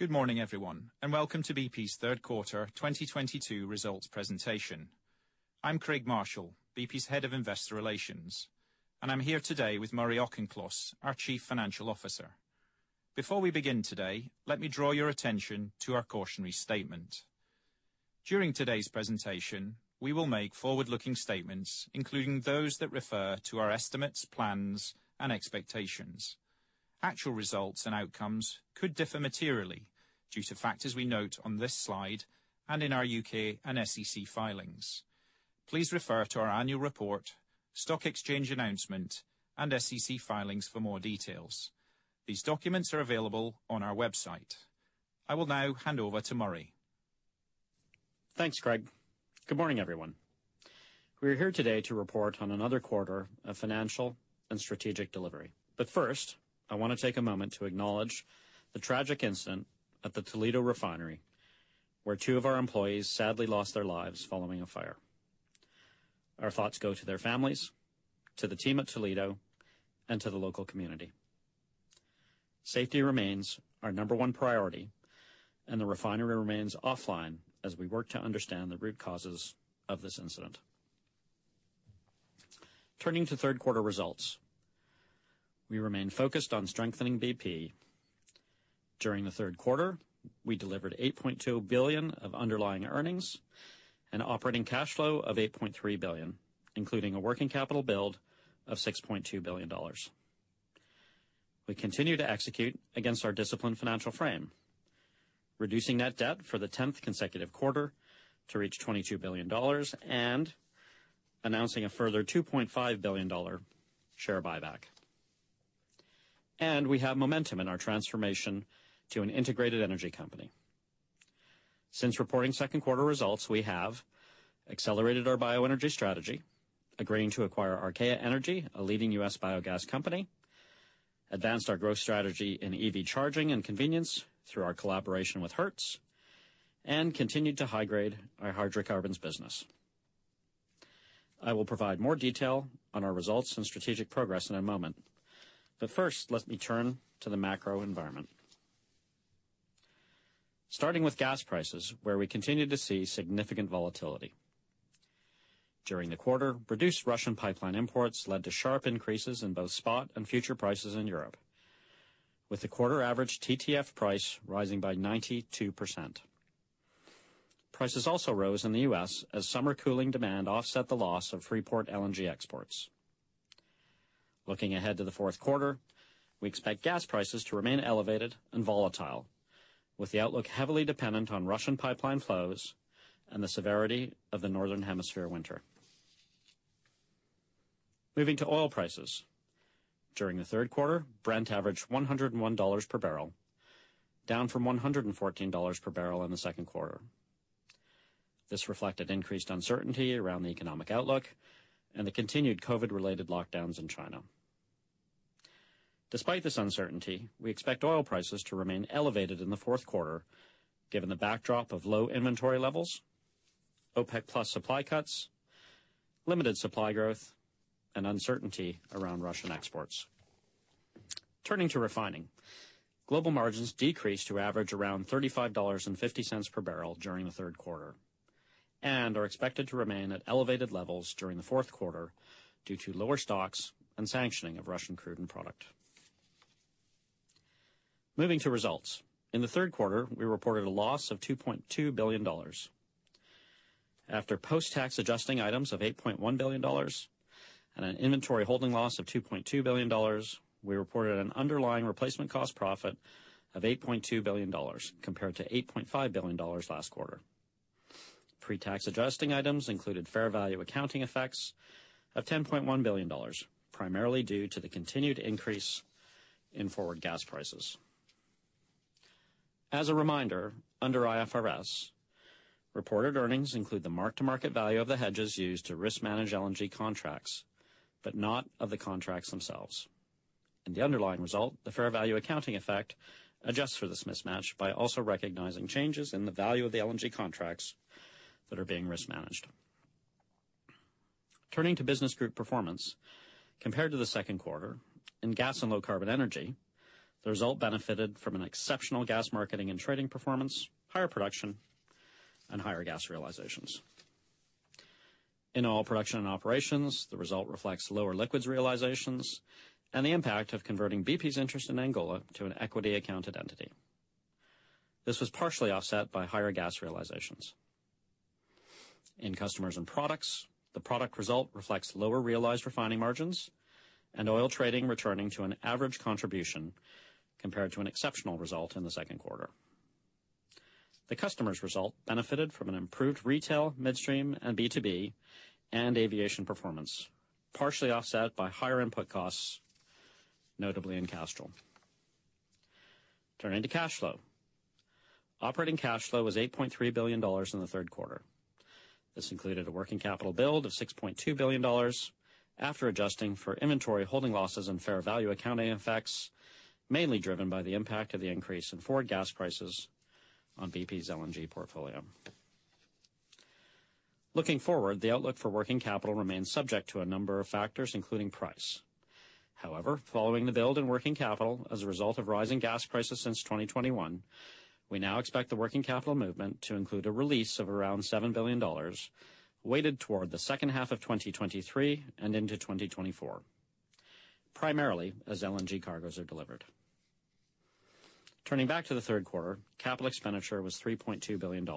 Good morning, everyone, and welcome to bp's third quarter 2022 results presentation. I'm Craig Marshall, bp's Head of Investor Relations, and I'm here today with Murray Auchincloss, our Chief Financial Officer. Before we begin today, let me draw your attention to our cautionary statement. During today's presentation, we will make forward-looking statements, including those that refer to our estimates, plans, and expectations. Actual results and outcomes could differ materially due to factors we note on this slide and in our U.K. and SEC filings. Please refer to our annual report, stock exchange announcement, and SEC filings for more details. These documents are available on our website. I will now hand over to Murray. Thanks, Craig. Good morning, everyone. We're here today to report on another quarter of financial and strategic delivery. First, I wanna take a moment to acknowledge the tragic incident at the Toledo Refinery, where two of our employees sadly lost their lives following a fire. Our thoughts go to their families, to the team at Toledo, and to the local community. Safety remains our number one priority, and the refinery remains offline as we work to understand the root causes of this incident. Turning to third quarter results. We remain focused on strengthening bp. During the third quarter, we delivered $8.2 billion of underlying earnings and operating cash flow of $8.3 billion, including a working capital build of $6.2 billion. We continue to execute against our disciplined financial frame, reducing net debt for the tenth consecutive quarter to reach $22 billion and announcing a further $2.5 billion share buyback. We have momentum in our transformation to an integrated energy company. Since reporting second quarter results, we have accelerated our bioenergy strategy, agreeing to acquire Archaea Energy, a leading U.S. biogas company, advanced our growth strategy in EV charging and convenience through our collaboration with Hertz, and continued to high-grade our hydrocarbons business. I will provide more detail on our results and strategic progress in a moment. First, let me turn to the macro environment. Starting with gas prices, where we continue to see significant volatility. During the quarter, reduced Russian pipeline imports led to sharp increases in both spot and future prices in Europe, with the quarter average TTF price rising by 92%. Prices also rose in the U.S. as summer cooling demand offset the loss of Freeport LNG exports. Looking ahead to the fourth quarter, we expect gas prices to remain elevated and volatile, with the outlook heavily dependent on Russian pipeline flows and the severity of the Northern Hemisphere winter. Moving to oil prices. During the third quarter, Brent averaged $101 per barrel, down from $114 per barrel in the second quarter. This reflected increased uncertainty around the economic outlook and the continued COVID-related lockdowns in China. Despite this uncertainty, we expect oil prices to remain elevated in the fourth quarter, given the backdrop of low inventory levels, OPEC+ supply cuts, limited supply growth, and uncertainty around Russian exports. Turning to refining. Global margins decreased to average around $35.50 per barrel during the third quarter and are expected to remain at elevated levels during the fourth quarter due to lower stocks and sanctioning of Russian crude and product. Moving to results. In the third quarter, we reported a loss of $2.2 billion. After post-tax adjusting items of $8.1 billion and an inventory holding loss of $2.2 billion, we reported an underlying replacement cost profit of $8.2 billion compared to $8.5 billion last quarter. Pre-tax adjusting items included fair value accounting effects of $10.1 billion, primarily due to the continued increase in forward gas prices. As a reminder, under IFRS, reported earnings include the mark-to-market value of the hedges used to risk manage LNG contracts, but not of the contracts themselves. In the underlying result, the fair value accounting effect adjusts for this mismatch by also recognizing changes in the value of the LNG contracts that are being risk managed. Turning to business group performance. Compared to the second quarter, in gas and low carbon energy, the result benefited from an exceptional gas marketing and trading performance, higher production, and higher gas realizations. In oil production and operations, the result reflects lower liquids realizations and the impact of converting bp's interest in Angola to an equity accounted entity. This was partially offset by higher gas realizations. In customers and products, the product result reflects lower realized refining margins and oil trading returning to an average contribution compared to an exceptional result in the second quarter. The customer's result benefited from an improved retail midstream and B2B and aviation performance, partially offset by higher input costs, notably in Castrol. Turning to cash flow. Operating cash flow was $8.3 billion in the third quarter. This included a working capital build of $6.2 billion after adjusting for inventory holding losses and fair value accounting effects, mainly driven by the impact of the increase in forward gas prices on bp's LNG portfolio. Looking forward, the outlook for working capital remains subject to a number of factors, including price. However, following the build in working capital as a result of rising gas prices since 2021, we now expect the working capital movement to include a release of around $7 billion, weighted toward the second half of 2023 and into 2024, primarily as LNG cargoes are delivered. Turning back to the third quarter, capital expenditure was $3.2 billion,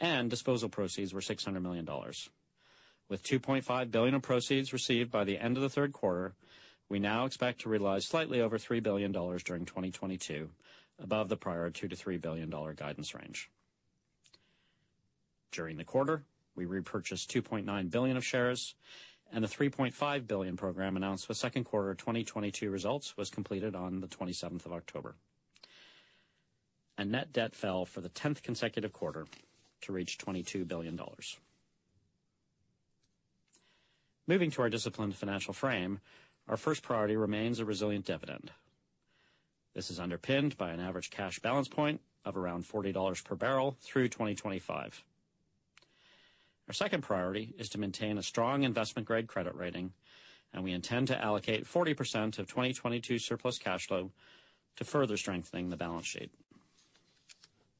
and disposal proceeds were $600 million. With $2.5 billion of proceeds received by the end of the third quarter, we now expect to realize slightly over $3 billion during 2022, above the prior $2 billion-$3 billion guidance range. During the quarter, we repurchased $2.9 billion of shares, and the $3.5 billion program announced for second quarter 2022 results was completed on the 27th of October. Net debt fell for the 10th consecutive quarter to reach $22 billion. Moving to our disciplined financial frame, our first priority remains a resilient dividend. This is underpinned by an average cash balance point of around $40 per barrel through 2025. Our second priority is to maintain a strong investment-grade credit rating, and we intend to allocate 40% of 2022 surplus cash flow to further strengthening the balance sheet.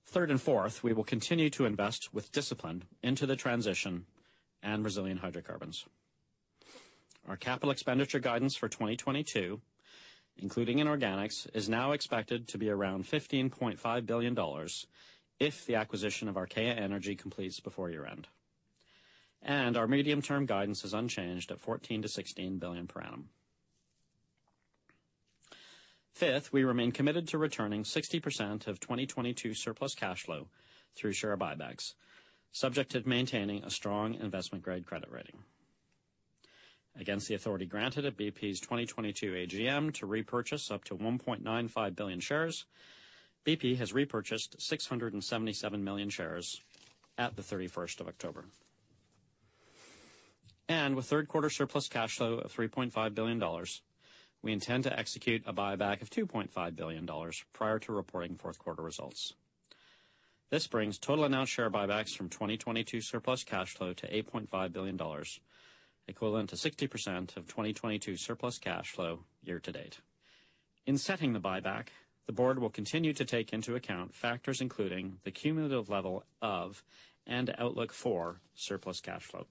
Third and fourth, we will continue to invest with discipline into the transition and resilient hydrocarbons. Our capital expenditure guidance for 2022, including in organics, is now expected to be around $15.5 billion if the acquisition of Archaea Energy completes before year-end. Our medium-term guidance is unchanged at $14 billion-$16 billion per annum. Fifth, we remain committed to returning 60% of 2022 surplus cash flow through share buybacks, subject to maintaining a strong investment-grade credit rating. Against the authority granted at bp's 2022 AGM to repurchase up to 1.95 billion shares, bp has repurchased 677 million shares at the 31st of October. With third quarter surplus cash flow of $3.5 billion, we intend to execute a buyback of $2.5 billion prior to reporting fourth quarter results. This brings total announced share buybacks from 2022 surplus cash flow to $8.5 billion, equivalent to 60% of 2022 surplus cash flow year to date. In setting the buyback, the Board will continue to take into account factors including the cumulative level of and outlook for surplus cash flow.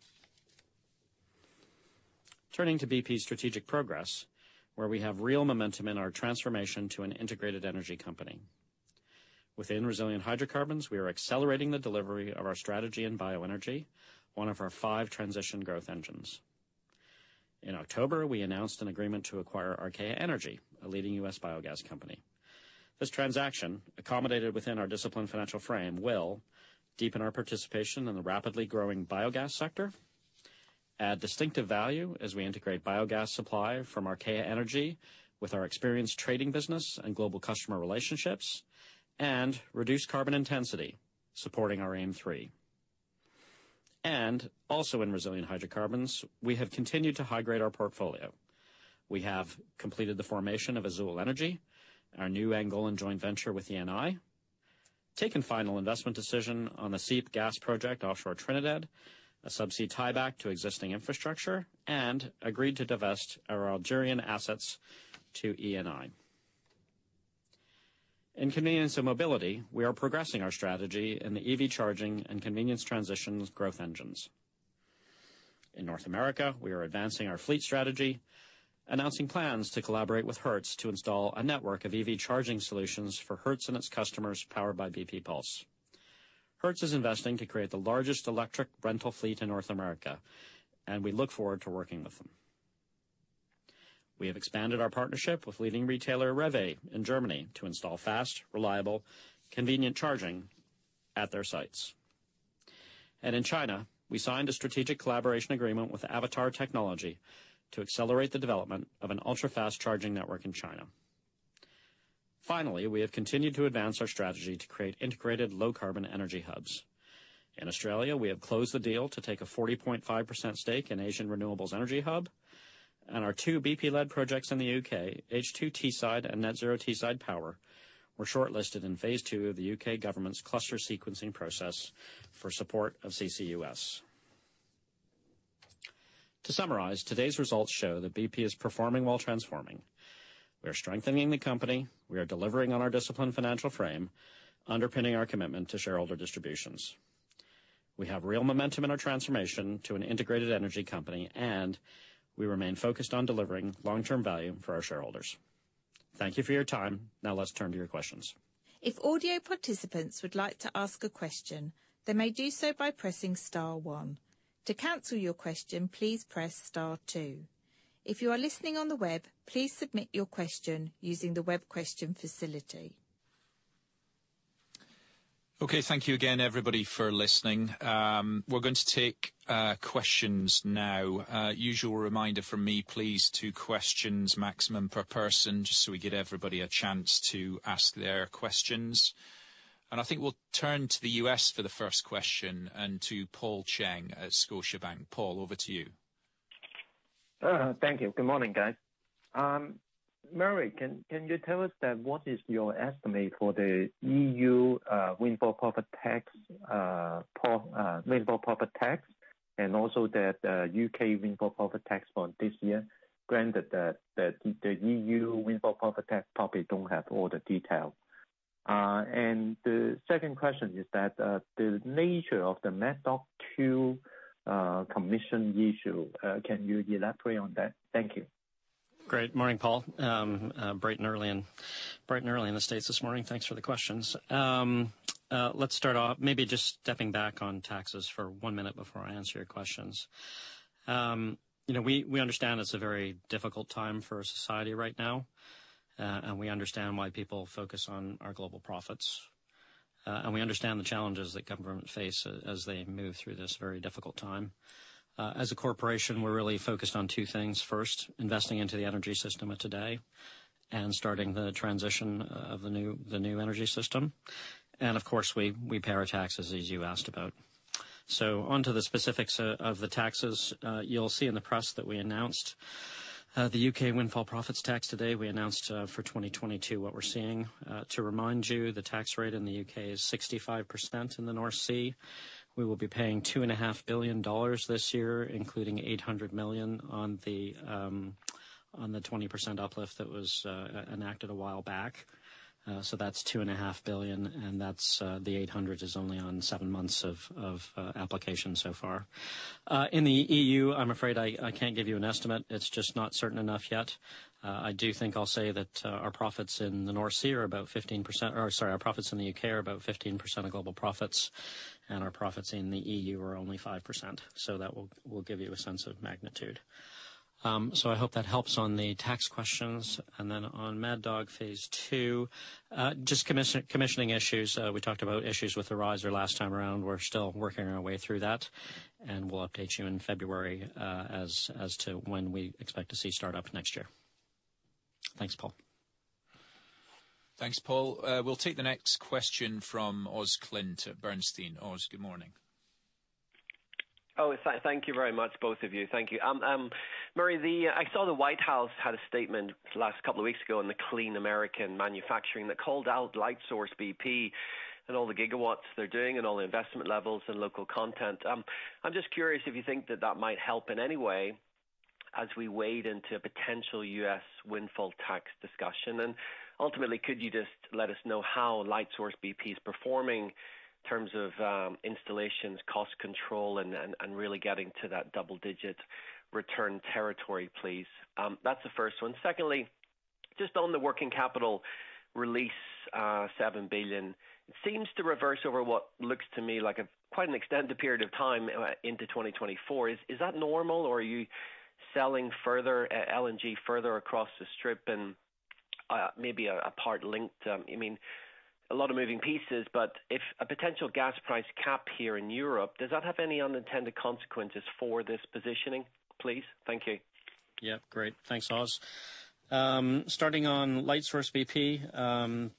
Turning to bp's strategic progress, where we have real momentum in our transformation to an integrated energy company. Within resilient hydrocarbons, we are accelerating the delivery of our strategy in bioenergy, one of our five transition growth engines. In October, we announced an agreement to acquire Archaea Energy, a leading U.S. biogas company. This transaction, accommodated within our disciplined financial frame, will deepen our participation in the rapidly growing biogas sector, add distinctive value as we integrate biogas supply from Archaea Energy with our experienced trading business and global customer relationships, and reduce carbon intensity, supporting our aim three. In resilient hydrocarbons, we have continued to high-grade our portfolio. We have completed the formation of Azule Energy, our new Angolan joint venture with ENI, taken final investment decision on the Cypre gas project offshore Trinidad, a subsea tieback to existing infrastructure, and agreed to divest our Algerian assets to ENI. In convenience and mobility, we are progressing our strategy in the EV charging and convenience transitions growth engines. In North America, we are advancing our fleet strategy, announcing plans to collaborate with Hertz to install a network of EV charging solutions for Hertz and its customers powered by bp pulse. Hertz is investing to create the largest electric rental fleet in North America, and we look forward to working with them. We have expanded our partnership with leading retailer REWE in Germany to install fast, reliable, convenient charging at their sites. In China, we signed a strategic collaboration agreement with Aulton Technology to accelerate the development of an ultra-fast charging network in China. Finally, we have continued to advance our strategy to create integrated low-carbon energy hubs. In Australia, we have closed the deal to take a 40.5% stake in Asian Renewable Energy Hub. Our two bp-led projects in the U.K., H2Teesside and Net Zero Teesside Power, were shortlisted in phase two of the U.K. government's cluster sequencing process for support of CCUS. To summarize, today's results show that bp is performing while transforming. We are strengthening the company. We are delivering on our disciplined financial frame, underpinning our commitment to shareholder distributions. We have real momentum in our transformation to an integrated energy company, and we remain focused on delivering long-term value for our shareholders. Thank you for your time. Now let's turn to your questions. If audio participants would like to ask a question, they may do so by pressing star one. To cancel your question, please press star two. If you are listening on the web, please submit your question using the web question facility. Okay. Thank you again, everybody, for listening. We're going to take questions now. Usual reminder from me, please, two questions maximum per person just so we get everybody a chance to ask their questions. I think we'll turn to the U.S. for the first question and to Paul Cheng at Scotiabank. Paul, over to you. Thank you. Good morning, guys. Murray, can you tell us what is your estimate for the EU windfall profits tax and also the U.K. windfall profits tax for this year, granted that the EU windfall profits tax probably don't have all the detail. The second question is the nature of the Mad Dog 2 commissioning issue, can you elaborate on that? Thank you. Great. Morning, Paul. Bright and early in the States this morning. Thanks for the questions. Let's start off maybe just stepping back on taxes for one minute before I answer your questions. You know, we understand it's a very difficult time for society right now. We understand why people focus on our global profits. We understand the challenges that governments face as they move through this very difficult time. As a corporation, we're really focused on two things. First, investing into the energy system of today and starting the transition of the new energy system. Of course, we pay our taxes as you asked about. Onto the specifics of the taxes. You'll see in the press that we announced the U.K. windfall profits tax today. We announced for 2022 what we're seeing. To remind you, the tax rate in the U.K. Is 65% in the North Sea. We will be paying $2.5 billion this year, including $800 million on the 20% uplift that was enacted a while back. So that's $2.5 billion, and that's the $800 million is only on seven months of application so far. In the EU, I'm afraid I can't give you an estimate. It's just not certain enough yet. I do think I'll say that our profits in the North Sea are about 15%. Sorry, our profits in the U.K. are about 15% of global profits, and our profits in the EU are only 5%. That will give you a sense of magnitude. I hope that helps on the tax questions. On Mad Dog Phase 2, just commissioning issues. We talked about issues with the riser last time around. We're still working our way through that, and we'll update you in February as to when we expect to see startup next year. Thanks, Paul. Thanks, Paul. We'll take the next question from Oswald Clint at Bernstein. Oz, good morning. Oh, thank you very much, both of you. Thank you. Murray, I saw the White House had a statement last couple of weeks ago on the clean American manufacturing that called out Lightsource bp and all the gigawatts they're doing and all the investment levels and local content. I'm just curious if you think that might help in any way as we wade into a potential U.S. windfall tax discussion. Ultimately, could you just let us know how Lightsource bp is performing in terms of installations, cost control, and really getting to that double digit return territory, please? That's the first one. Secondly, just on the working capital release, $7 billion. It seems to reverse over what looks to me like quite an extended period of time into 2024. Is that normal, or are you selling further LNG further across the strip and maybe a part linked, I mean, a lot of moving pieces, but if a potential gas price cap here in Europe, does that have any unintended consequences for this positioning, please? Thank you. Yeah. Great. Thanks, Oz. Starting on Lightsource bp,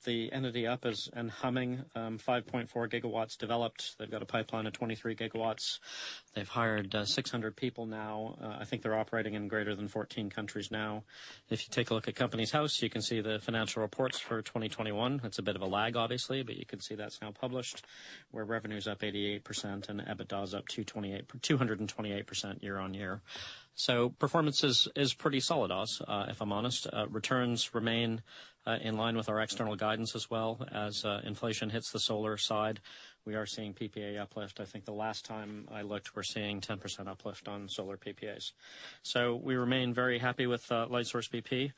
the entity is up and humming, 5.4 GW developed. They've got a pipeline of 23 GW. They've hired 600 people now. I think they're operating in greater than 14 countries now. If you take a look at Companies House, you can see the financial reports for 2021. It's a bit of a lag, obviously, but you can see that's now published, where revenue is up 88% and EBITDA is up 228% year-on-year. Performance is pretty solid, Oz, if I'm honest. Returns remain in line with our external guidance as well. As inflation hits the solar side, we are seeing PPA uplift. I think the last time I looked, we're seeing 10% uplift on solar PPAs. We remain very happy with Lightsource bp.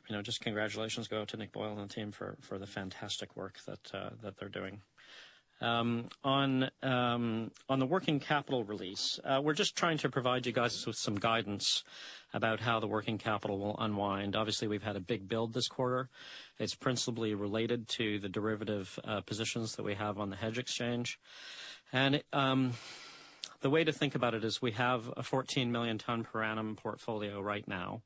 You know, just congratulations go to Nick Boyle and the team for the fantastic work that they're doing. On the working capital release, we're just trying to provide you guys with some guidance about how the working capital will unwind. Obviously, we've had a big build this quarter. It's principally related to the derivative positions that we have on the hedge exchange. The way to think about it is we have a 14 million ton per annum portfolio right now,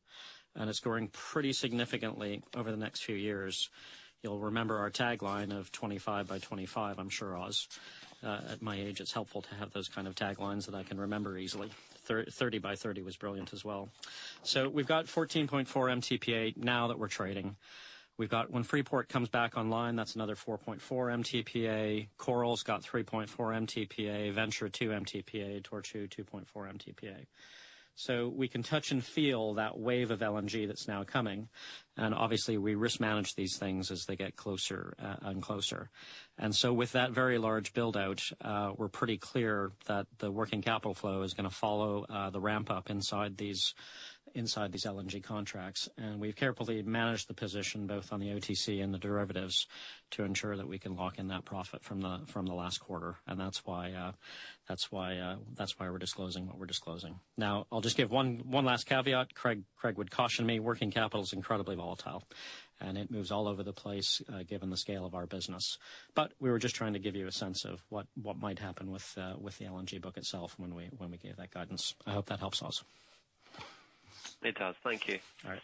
and it's growing pretty significantly over the next few years. You'll remember our tagline of 25 by 25, I'm sure, Oz. At my age, it's helpful to have those kind of taglines that I can remember easily. 30 by 30 was brilliant as well. We've got 14.4 MTPA now that we're trading. We've got, when Freeport LNG comes back online, that's another 4.4 MTPA. Coral's got 3.4 MTPA. Venture, 2 MTPA. Tortue, 2.4 MTPA. We can touch and feel that wave of LNG that's now coming, and obviously we risk manage these things as they get closer, and closer. With that very large build-out, we're pretty clear that the working capital flow is gonna follow, the ramp up inside these LNG contracts. We've carefully managed the position both on the OTC and the derivatives to ensure that we can lock in that profit from the last quarter, and that's why we're disclosing what we're disclosing. Now, I'll just give one last caveat. Craig would caution me, working capital is incredibly volatile, and it moves all over the place, given the scale of our business. We were just trying to give you a sense of what might happen with the LNG book itself when we gave that guidance. I hope that helps, Oz. It does. Thank you. All right.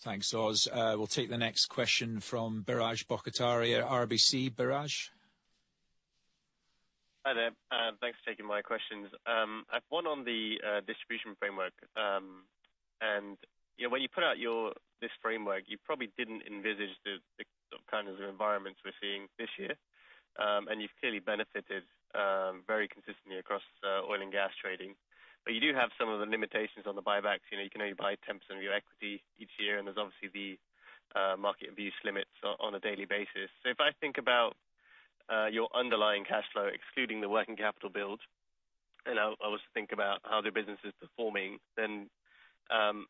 Thanks, Oz. We'll take the next question from Biraj Borkhataria at RBC. Biraj? Hi there. Thanks for taking my questions. I have one on the distribution framework. You know, when you put out your this framework, you probably didn't envisage the sort of kind of the environments we're seeing this year. You've clearly benefited very consistently across oil and gas trading. But you do have some of the limitations on the buybacks. You know, you can only buy 10% of your equity each year, and there's obviously the market abuse limits on a daily basis. If I think about your underlying cash flow, excluding the working capital build, and I always think about how the business is performing, then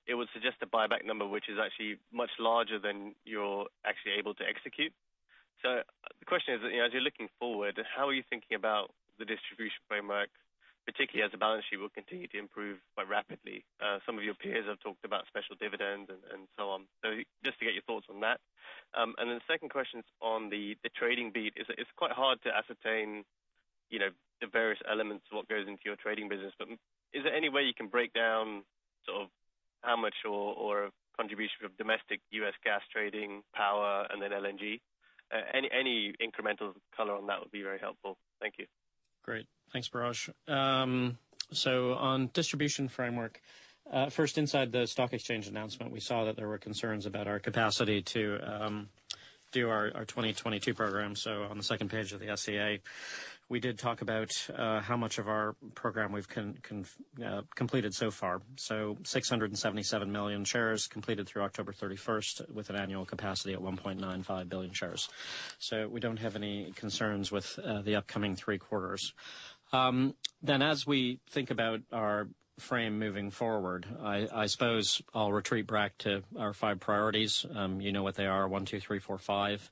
it would suggest a buyback number which is actually much larger than you're actually able to execute. The question is, you know, as you're looking forward, how are you thinking about the distribution framework, particularly as the balance sheet will continue to improve quite rapidly? Some of your peers have talked about special dividends and so on. Just to get your thoughts on that. Then the second question's on the trading beat. It's quite hard to ascertain, you know, the various elements of what goes into your trading business. But is there any way you can break down sort of how much or contribution of domestic U.S. gas trading, power, and then LNG? Any incremental color on that would be very helpful. Thank you. Great. Thanks, Biraj. On distribution framework, first inside the stock exchange announcement, we saw that there were concerns about our capacity to do our 2022 program. On the second page of the SEA, we did talk about how much of our program we've completed so far. 677 million shares completed through October 31st with an annual capacity at 1.95 billion shares. We don't have any concerns with the upcoming three quarters. As we think about our framework moving forward, I suppose I'll retreat back to our five priorities. You know what they are, one, two, three, four, five.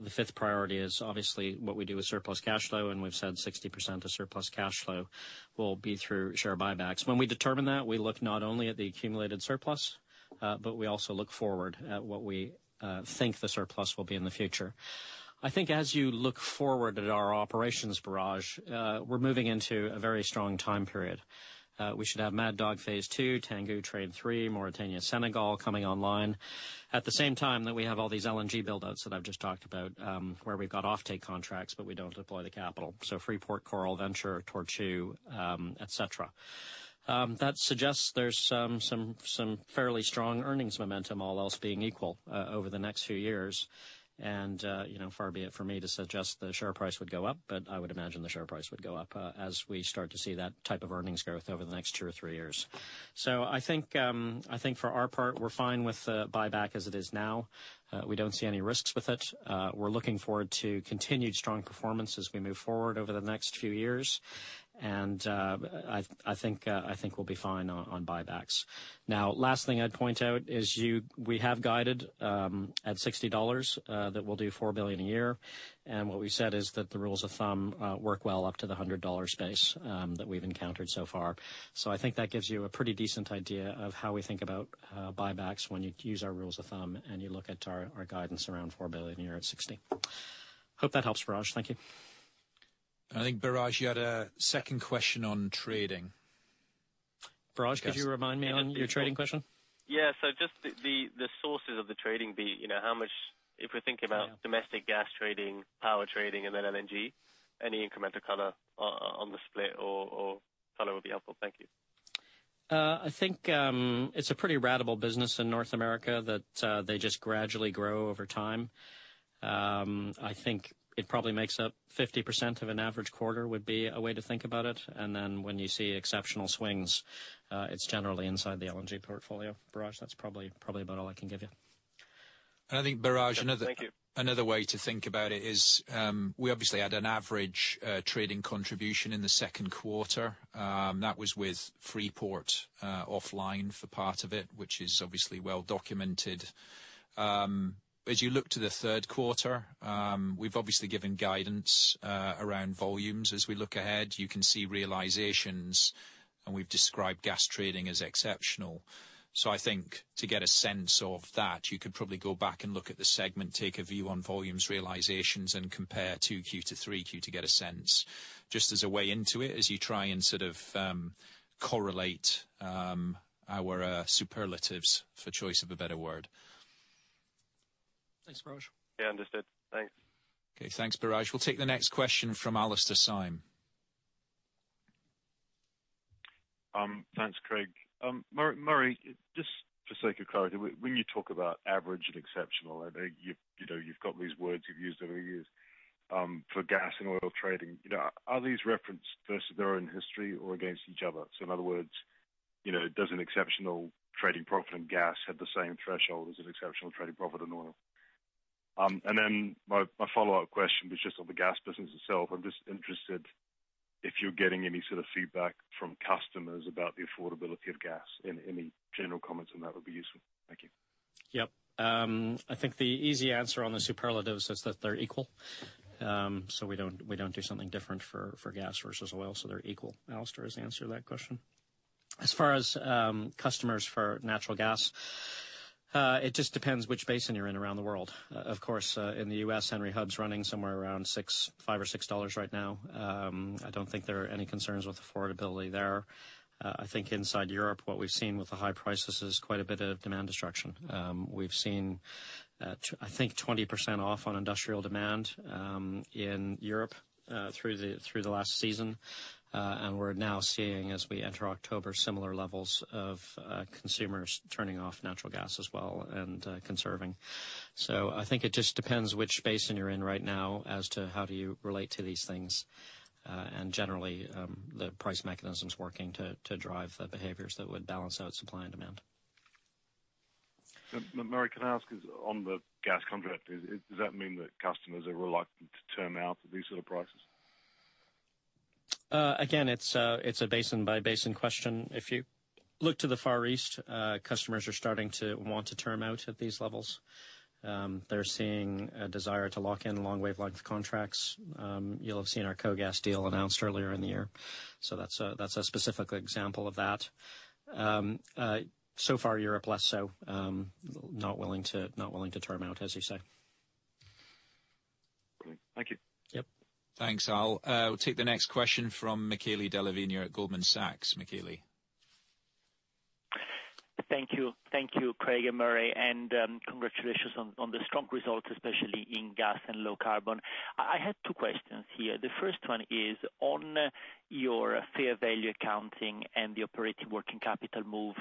The fifth priority is obviously what we do with surplus cash flow, and we've said 60% of surplus cash flow will be through share buybacks. When we determine that, we look not only at the accumulated surplus, but we also look forward at what we think the surplus will be in the future. I think as you look forward at our operations, Biraj, we're moving into a very strong time period. We should have Mad Dog Phase 2, Tangguh Train 3, Mauritania-Senegal coming online. At the same time that we have all these LNG build-outs that I've just talked about, where we've got offtake contracts, but we don't deploy the capital. Freeport, Coral, Tangguh, Tortue, et cetera. That suggests there's some fairly strong earnings momentum, all else being equal, over the next few years. You know, far be it for me to suggest the share price would go up, but I would imagine the share price would go up as we start to see that type of earnings growth over the next two or three years. I think for our part, we're fine with the buyback as it is now. We don't see any risks with it. We're looking forward to continued strong performance as we move forward over the next few years. I think we'll be fine on buybacks. Now, last thing I'd point out is we have guided at $60 that we'll do $4 billion a year. What we said is that the rules of thumb work well up to the $100 space that we've encountered so far. I think that gives you a pretty decent idea of how we think about buybacks when you use our rules of thumb and you look at our guidance around $4 billion a year at $60. Hope that helps, Biraj. Thank you. I think, Biraj, you had a second question on trading. Biraj, could you remind me on your trading question? Just the sources of the trading beat, you know, how much if we're thinking about domestic gas trading, power trading, and then LNG, any incremental color on the split or color would be helpful. Thank you. I think it's a pretty ratable business in North America that they just gradually grow over time. I think it probably makes up 50% of an average quarter, would be a way to think about it. When you see exceptional swings, it's generally inside the LNG portfolio, Biraj. That's probably about all I can give you. I think, Biraj, another Thank you. Another way to think about it is, we obviously had an average, trading contribution in the second quarter. That was with Freeport, offline for part of it, which is obviously well documented. As you look to the third quarter, we've obviously given guidance, around volumes as we look ahead. You can see realizations, and we've described gas trading as exceptional. I think to get a sense of that, you could probably go back and look at the segment, take a view on volumes realizations, and compare 2Q-3Q to get a sense, just as a way into it as you try and sort of, correlate our superlatives, for choice of a better word. Thanks, Biraj. Yeah. Understood. Thanks. Okay, thanks, Biraj. We'll take the next question from Alastair Syme. Thanks, Craig. Murray, just for sake of clarity, when you talk about average and exceptional, I think you've, you know, you've got these words you've used over the years, for gas and oil trading. You know, are these referenced versus their own history or against each other? In other words, you know, does an exceptional trading profit in gas have the same threshold as an exceptional trading profit in oil? Then my follow-up question was just on the gas business itself. I'm just interested if you're getting any sort of feedback from customers about the affordability of gas, and any general comments on that would be useful. Thank you. I think the easy answer on the superlatives is that they're equal. So we don't do something different for gas versus oil, so they're equal, Alastair, is the answer to that question. As far as customers for natural gas, it just depends which basin you're in around the world. Of course, in the U.S., Henry Hub's running somewhere around $5 or $6 right now. I don't think there are any concerns with affordability there. I think inside Europe, what we've seen with the high prices is quite a bit of demand destruction. We've seen, I think 20% off on industrial demand, in Europe, through the last season. We're now seeing, as we enter October, similar levels of consumers turning off natural gas as well and conserving. I think it just depends which basin you're in right now as to how do you relate to these things. Generally, the price mechanism's working to drive the behaviors that would balance out supply and demand. Murray, can I ask, on the gas contract, does that mean that customers are reluctant to term out at these sort of prices? Again, it's a basin by basin question. If you look to the Far East, customers are starting to want to term out at these levels. They're seeing a desire to lock in long-term contracts. You'll have seen our KOGAS deal announced earlier in the year, so that's a specific example of that. So far, Europe less so. Not willing to term out, as you say. Great. Thank you. Yep. Thanks, Al. We'll take the next question from Michele Della Vigna at Goldman Sachs. Michele? Thank you, Craig and Murray, and congratulations on the strong results, especially in gas and low carbon. I had two questions here. The first one is on your fair value accounting and the operating working capital move.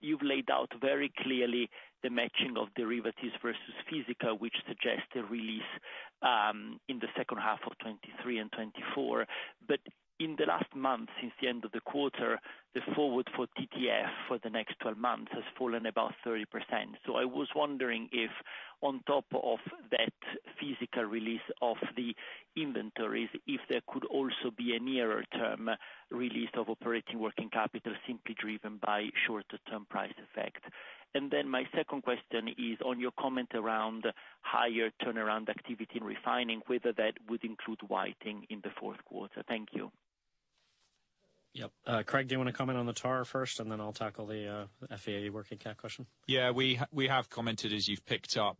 You've laid out very clearly the matching of derivatives versus physical, which suggests the release in the second half of 2023 and 2024. In the last month, since the end of the quarter, the forward for TTF for the next 12 months has fallen about 30%. I was wondering if on top of that physical release of the inventories, if there could also be a nearer term release of operating working capital simply driven by shorter-term price effect. My second question is on your comment around higher turnaround activity in refining, whether that would include Whiting in the fourth quarter. Thank you. Yep. Craig, do you wanna comment on the tar first, and then I'll tackle the FVA working cap question? We have commented as you've picked up,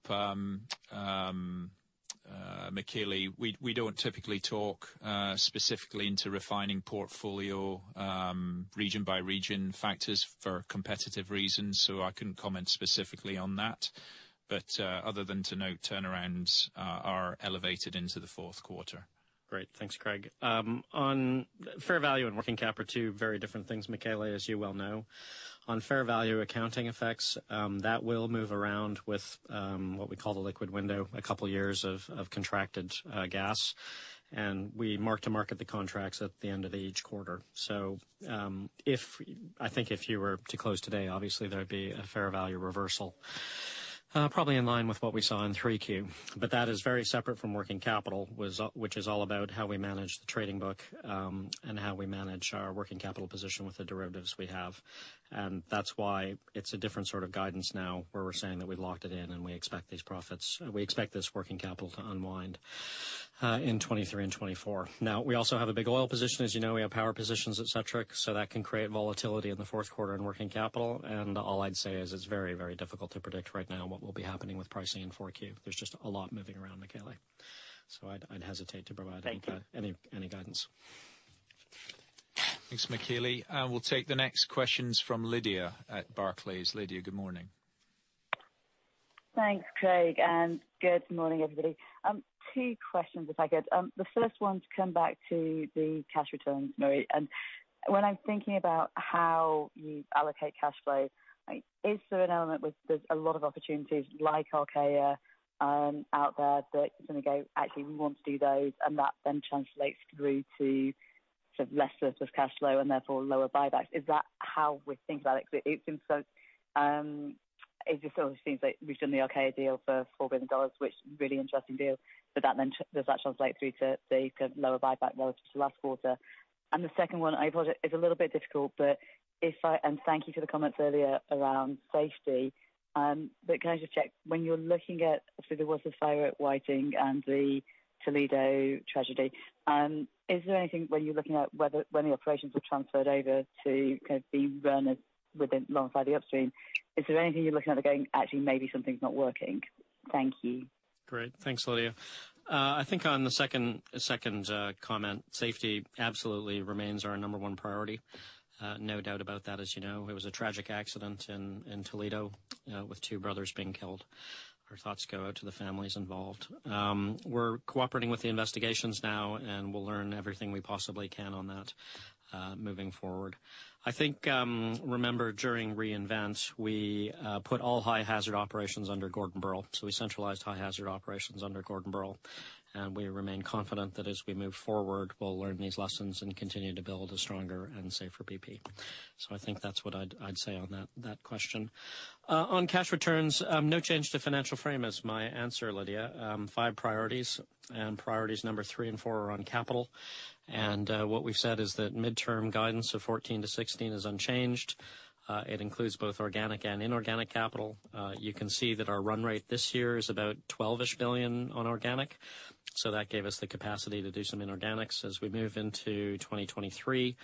Michele. We don't typically talk specifically into refining portfolio, region by region factors for competitive reasons, so I couldn't comment specifically on that. Other than to note, turnarounds are elevated into the fourth quarter. Great. Thanks, Craig. On fair value and working cap are two very different things, Michele, as you well know. On fair value accounting effects, that will move around with what we call the liquid window, a couple years of contracted gas. We mark-to-market the contracts at the end of each quarter. I think if you were to close today, obviously there'd be a fair value reversal, probably in line with what we saw in 3Q. That is very separate from working capital, which is all about how we manage the trading book and how we manage our working capital position with the derivatives we have. That's why it's a different sort of guidance now, where we're saying that we've locked it in and we expect these profits, we expect this working capital to unwind in 2023 and 2024. Now, we also have a big oil position. As you know, we have power positions, et cetera. That can create volatility in the fourth quarter in working capital. All I'd say is it's very, very difficult to predict right now what will be happening with pricing in 4Q. There's just a lot moving around, Michele. I'd hesitate to provide any. Thank you. Any guidance? Thanks, Michele. We'll take the next questions from Lydia at Barclays. Lydia, good morning. Thanks, Craig, and good morning, everybody. Two questions if I could. The first one to come back to the cash returns, Murray. When I'm thinking about how you allocate cash flow, is there an element with, there's a lot of opportunities like Archaea out there that you're gonna go, "Actually, we want to do those," and that then translates through to sort of lesser surplus cash flow and therefore lower buybacks. Is that how we think about it? It seems so, it just sort of seems like we've done the Archaea deal for $4 billion, which really interesting deal, but that then, does that translate through to the lower buyback relative to last quarter? The second one, I apologize, it's a little bit difficult, but if I, and thank you for the comments earlier around safety. Can I just check, when you're looking at, obviously there was a fire at Whiting and the Toledo tragedy, is there anything when you're looking at whether, when the operations are transferred over to kind of be run within, alongside the upstream, is there anything you're looking at and going, "Actually, maybe something's not working?" Thank you. Great. Thanks, Lydia. I think on the second comment, safety absolutely remains our number one priority. No doubt about that, as you know. It was a tragic accident in Toledo with two brothers being killed. Our thoughts go out to the families involved. We're cooperating with the investigations now, and we'll learn everything we possibly can on that, moving forward. I think, remember during Reinvent, we put all high hazard operations under Gordon Birrell. We centralized high hazard operations under Gordon Birrell. We remain confident that as we move forward, we'll learn these lessons and continue to build a stronger and safe bp. I think that's what I'd say on that question. On cash returns, no change to financial frame is my answer, Lydia. Five priorities numbers three and four are on capital. What we've said is that mid-term guidance of $14-$16 billion is unchanged. It includes both organic and inorganic capital. You can see that our run rate this year is about $12 billion on organic. That gave us the capacity to do some inorganics. As we move into 2023,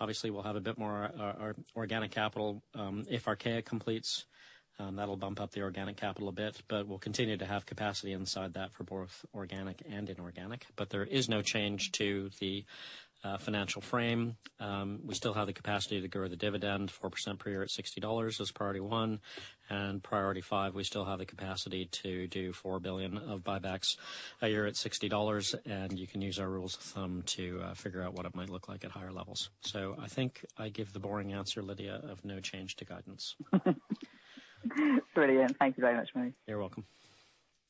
obviously we'll have a bit more our organic capital. If Archaea completes, that'll bump up the organic capital a bit, but we'll continue to have capacity inside that for both organic and inorganic. There is no change to the financial frame. We still have the capacity to grow the dividend 4% per year at $60 as priority one. Priority five, we still have the capacity to do $4 billion of buybacks a year at $60, and you can use our rules of thumb to figure out what it might look like at higher levels. I think I give the boring answer, Lydia, of no change to guidance. Brilliant. Thank you very much, Murray. You're welcome.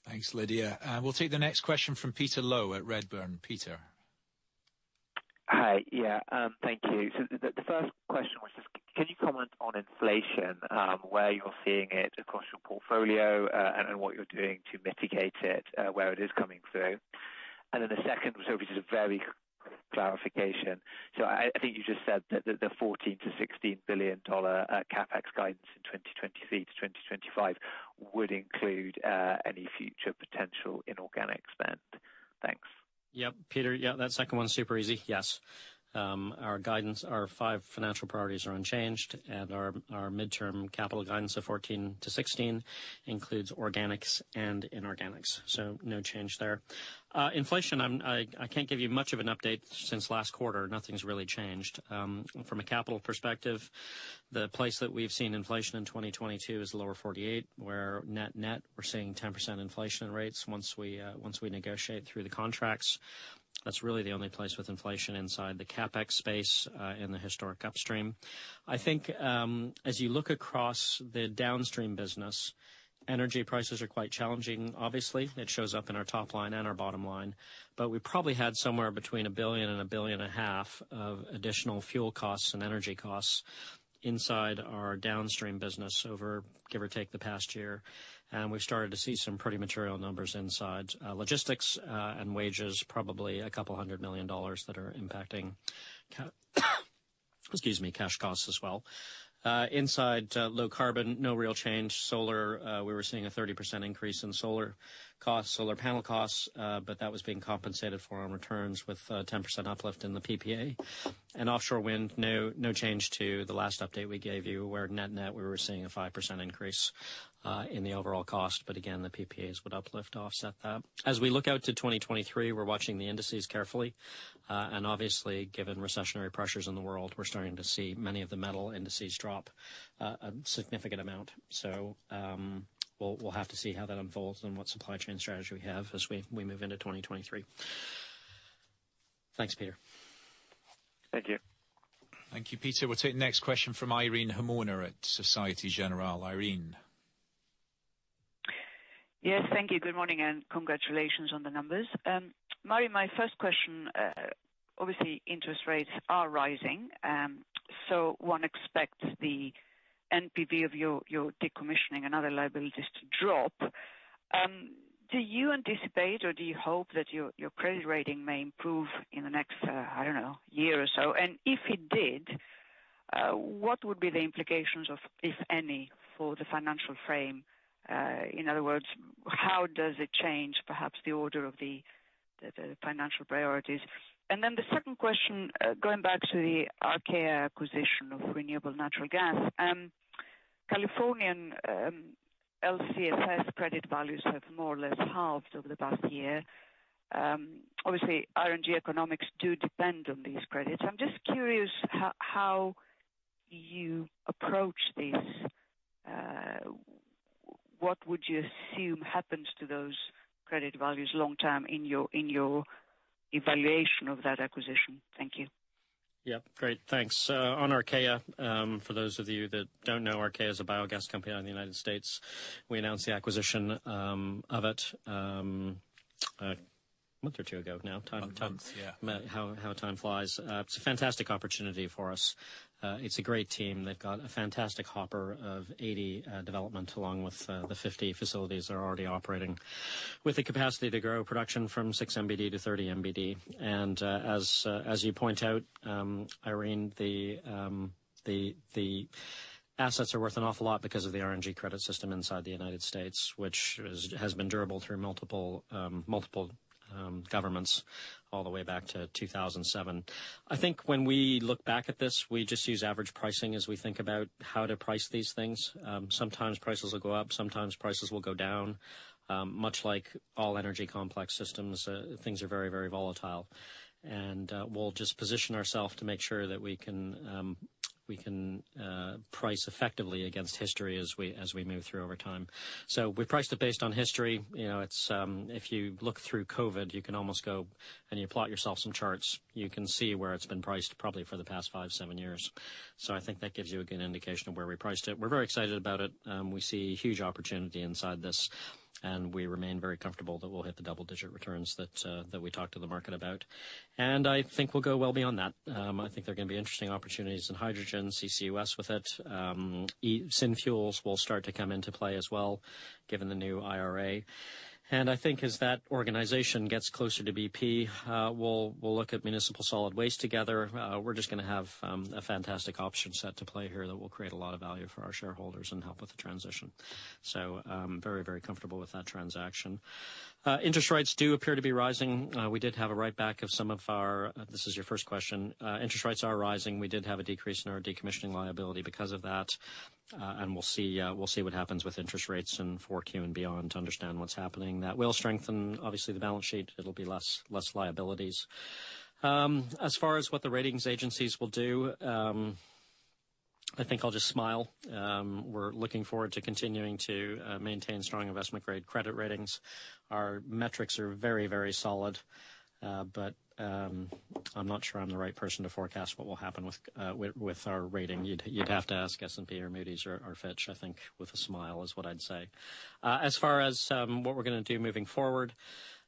Thanks, Lydia. We'll take the next question from Peter Low at Redburn. Peter. Hi. Yeah. Thank you. The first question was just can you comment on inflation, where you're seeing it across your portfolio, and what you're doing to mitigate it, where it is coming through? The second was obviously just a mere clarification. I think you just said that the $14 billion-$16 billion CapEx guidance in 2023-2025 would include any future potential inorganic spend. Thanks. Yep. Peter, yeah, that second one's super easy. Yes. Our guidance, our five financial priorities are unchanged, and our midterm capital guidance of 14-16 includes organics and inorganics. No change there. Inflation, I'm I can't give you much of an update since last quarter. Nothing's really changed. From a capital perspective, the place that we've seen inflation in 2022 is lower 48, where net-net, we're seeing 10% inflation rates once we negotiate through the contracts. That's really the only place with inflation inside the CapEx space, in the historic upstream. I think, as you look across the downstream business, energy prices are quite challenging, obviously. It shows up in our top line and our bottom line. We probably had somewhere between $1 billion and $1.5 billion of additional fuel costs and energy costs inside our downstream business over give or take the past year. We've started to see some pretty material numbers inside logistics and wages, probably $200 million that are impacting cash costs as well. Inside low carbon, no real change. Solar, we were seeing a 30% increase in solar costs, solar panel costs, but that was being compensated for on returns with 10% uplift in the PPA. Offshore wind, no change to the last update we gave you where net-net, we were seeing a 5% increase in the overall cost. Again, the PPAs would uplift to offset that. As we look out to 2023, we're watching the indices carefully. Obviously, given recessionary pressures in the world, we're starting to see many of the metal indices drop a significant amount. We'll have to see how that unfolds and what supply chain strategy we have as we move into 2023. Thanks, Peter. Thank you. Thank you, Peter. We'll take the next question from Irene Himona at Société Générale. Irene. Yes, thank you. Good morning, and congratulations on the numbers. Murray, my first question, obviously, interest rates are rising, so one expects the NPV of your decommissioning and other liabilities to drop. Do you anticipate or do you hope that your credit rating may improve in the next, I don't know, year or so? And if it did, what would be the implications of, if any, for the financial frame? In other words, how does it change perhaps the order of the financial priorities? And then the second question, going back to the Archaea acquisition of renewable natural gas. Californian LCFS credit values have more or less halved over the past year. Obviously, RNG economics do depend on these credits. I'm just curious how you approach this. What would you assume happens to those credit values long term in your evaluation of that acquisition? Thank you. Yep. Great. Thanks. On Archaea, for those of you that don't know, Archaea is a biogas company out in the United States. We announced the acquisition of it a month or two ago now. Months, yeah. How time flies. It's a fantastic opportunity for us. It's a great team. They've got a fantastic hopper of 80 developments along with the 50 facilities that are already operating with the capacity to grow production from 6 MBD to 30 MBD. As you point out, Irene, the assets are worth an awful lot because of the RNG credit system inside the United States, which has been durable through multiple governments all the way back to 2007. I think when we look back at this, we just use average pricing as we think about how to price these things. Sometimes prices will go up, sometimes prices will go down. Much like all energy complex systems, things are very, very volatile. We'll just position ourselves to make sure that we can price effectively against history as we move through over time. We priced it based on history. You know, it's if you look through COVID, you can almost go and you plot yourself some charts, you can see where it's been priced probably for the past five to seven years. I think that gives you a good indication of where we priced it. We're very excited about it. We see huge opportunity inside this, and we remain very comfortable that we'll hit the double-digit returns that we talked to the market about. I think we'll go well beyond that. I think there are gonna be interesting opportunities in hydrogen, CCUS with it. Syn fuels will start to come into play as well, given the new IRA. I think as that organization gets closer to bp, we'll look at municipal solid waste together. We're just gonna have a fantastic option set to play here that will create a lot of value for our shareholders and help with the transition. Very comfortable with that transaction. Interest rates do appear to be rising. This is your first question. Interest rates are rising. We did have a decrease in our decommissioning liability because of that. We'll see what happens with interest rates in 4Q and beyond to understand what's happening. That will strengthen, obviously, the balance sheet. It'll be less liabilities. As far as what the rating agencies will do, I think I'll just smile. We're looking forward to continuing to maintain strong investment grade credit ratings. Our metrics are very, very solid. But I'm not sure I'm the right person to forecast what will happen with our rating. You'd have to ask S&P or Moody's or Fitch, I think, with a smile, is what I'd say. As far as what we're gonna do moving forward,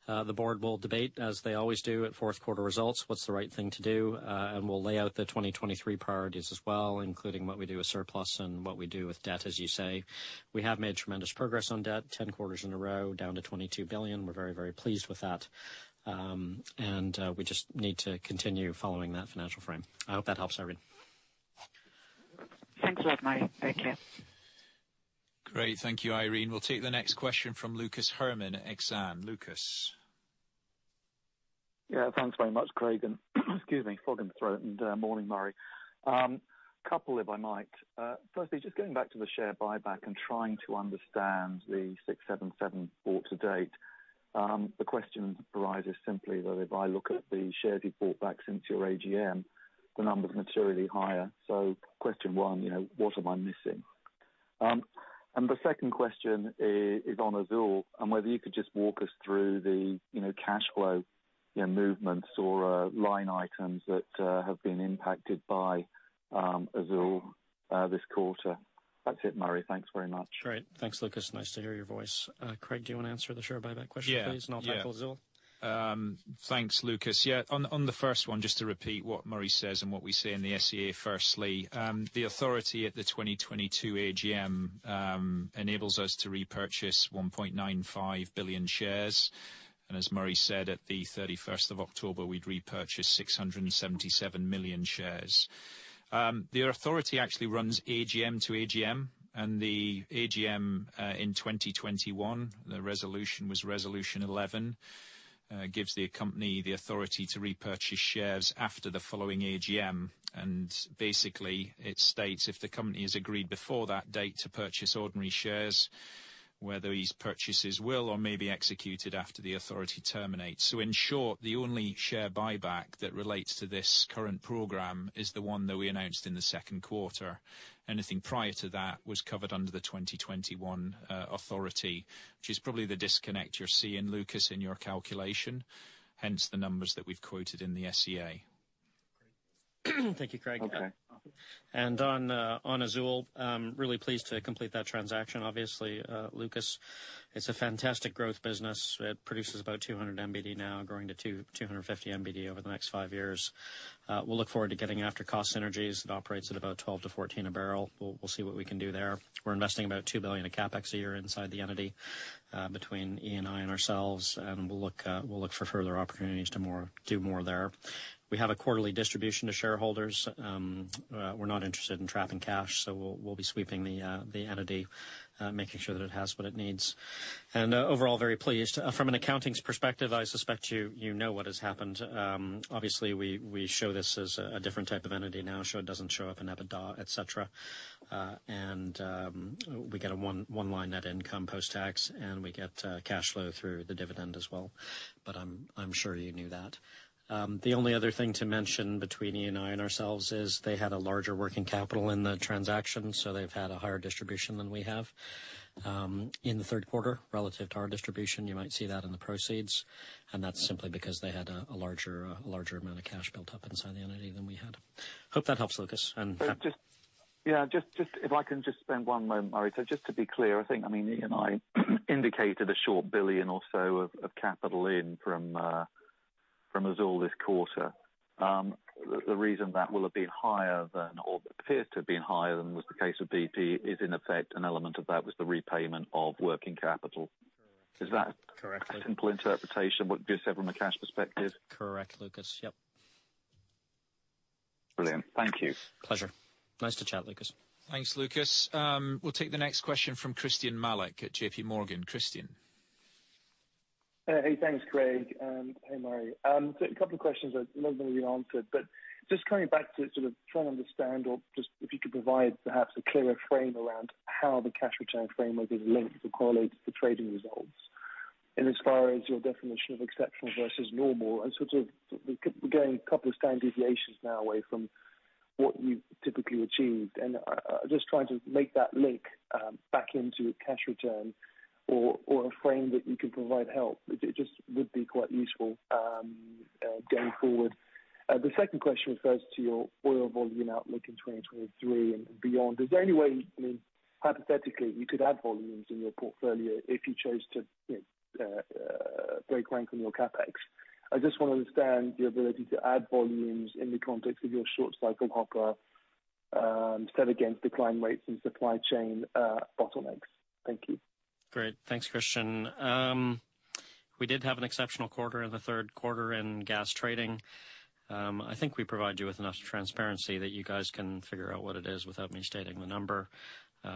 the board will debate, as they always do at fourth quarter results, what's the right thing to do, and we'll lay out the 2023 priorities as well, including what we do with surplus and what we do with debt, as you say. We have made tremendous progress on debt, 10 quarters in a row, down to $22 billion. We're very, very pleased with that. We just need to continue following that financial frame. I hope that helps, Irene. Thanks a lot, Murray. Take care. Great. Thank you, Irene. We'll take the next question from Lucas Herrmann at Exane. Lucas? Thanks very much, Craig, and excuse me, frog in my throat. Morning, Murray. Couple of questions if I might. Firstly, just going back to the share buyback and trying to understand the 677 bought back to date, the question arises simply that if I look at the shares you've bought back since your AGM, the number is materially higher. Question one, you know, what am I missing? The second question is on Azule, and whether you could just walk us through the, you know, cash flow, you know, movements or line items that have been impacted by Azule this quarter. That's it, Murray. Thanks very much. Great. Thanks, Lucas. Nice to hear your voice. Craig, do you wanna answer the share buyback question, please? Yeah. I'll handle Azule. Thanks, Lucas. Yeah. On the first one, just to repeat what Murray says and what we say in the SEA, firstly, the authority at the 2022 AGM enables us to repurchase 1.95 billion shares. As Murray said, at the October 31st, we'd repurchased 677 million shares. The authority actually runs AGM to AGM. The AGM in 2021, the resolution was Resolution 11 gives the company the authority to repurchase shares after the following AGM. Basically, it states if the company has agreed before that date to purchase ordinary shares, whether these purchases will or may be executed after the authority terminates. In short, the only share buyback that relates to this current program is the one that we announced in the second quarter. Anything prior to that was covered under the 2021 authority, which is probably the disconnect you're seeing, Lucas, in your calculation, hence the numbers that we've quoted in the SEA. Thank you, Craig. Okay. On Azule, I'm really pleased to complete that transaction. Obviously, Lucas, it's a fantastic growth business. It produces about 200 MBD now, growing to 250 MBD over the next five years. We'll look forward to getting after cost synergies. It operates at about $12-$14 a barrel. We'll see what we can do there. We're investing about $2 billion in CapEx a year inside the entity, between ENI and ourselves, and we'll look for further opportunities to do more there. We have a quarterly distribution to shareholders. We're not interested in trapping cash, so we'll be sweeping the entity, making sure that it has what it needs. Overall, very pleased. From an accounting perspective, I suspect you know what has happened. Obviously, we show this as a different type of entity now, so it doesn't show up in EBITDA, et cetera. We get a one-line net income post-tax, and we get cash flow through the dividend as well. But I'm sure you knew that. The only other thing to mention between ENI and ourselves is they had a larger working capital in the transaction, so they've had a higher distribution than we have in the third quarter relative to our distribution. You might see that in the proceeds. That's simply because they had a larger amount of cash built up inside the entity than we had. Hope that helps, Lucas. Just if I can spend one moment, Murray. Just to be clear, I think, I mean, ENI indicated sort of a billion or so of capital in from Azule this quarter. The reason that will have been higher than, or appears to have been higher than was the case with bp is in effect, an element of that was the repayment of working capital. Correct. Is that- Correct. A simple interpretation what gives everyone a cash perspective? Correct, Lucas. Yep. Brilliant. Thank you. Pleasure. Nice to chat, Lucas. Thanks, Lucas. We'll take the next question from Christyan Malek at JPMorgan. Christyan. Hey. Thanks, Craig, and hey, Murray. So a couple of questions. A lot of them have been answered. Just coming back to sort of try and understand or just if you could provide perhaps a clearer frame around how the cash return framework is linked or correlates to trading results, and as far as your definition of exceptional versus normal and sort of we keep getting a couple of standard deviations now away from what you've typically achieved. I just trying to make that link back into cash return or a frame that you can provide help. It just would be quite useful going forward. The second question refers to your oil volume outlook in 2023 and beyond. Is there any way, I mean, hypothetically, you could add volumes in your portfolio if you chose to, you know? Breakdown on your CapEx. I just want to understand the ability to add volumes in the context of your short-cycle. Set against decline rates and supply chain bottlenecks. Thank you. Great. Thanks, Christyan. We did have an exceptional quarter in the third quarter in gas trading. I think we provide you with enough transparency that you guys can figure out what it is without me stating the number.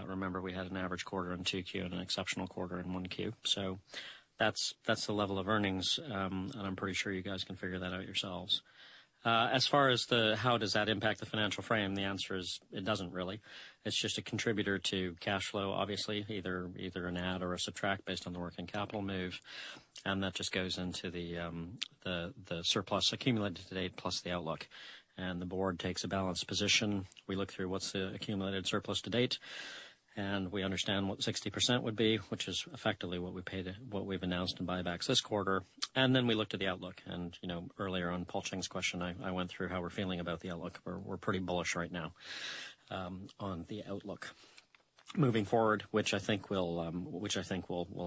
Remember, we had an average quarter in 2Q and an exceptional quarter in 1Q. That's the level of earnings, and I'm pretty sure you guys can figure that out yourselves. As far as the how does that impact the financial frame, the answer is it doesn't really. It's just a contributor to cash flow, obviously, either an add or a subtract based on the working capital move. That just goes into the surplus accumulated to date plus the outlook. The board takes a balanced position. We look through what's the accumulated surplus to date, and we understand what 60% would be, which is effectively what we paid, what we've announced in buybacks this quarter. We look to the outlook. Earlier on Paul Cheng's question, I went through how we're feeling about the outlook. We're pretty bullish right now on the outlook moving forward, which I think will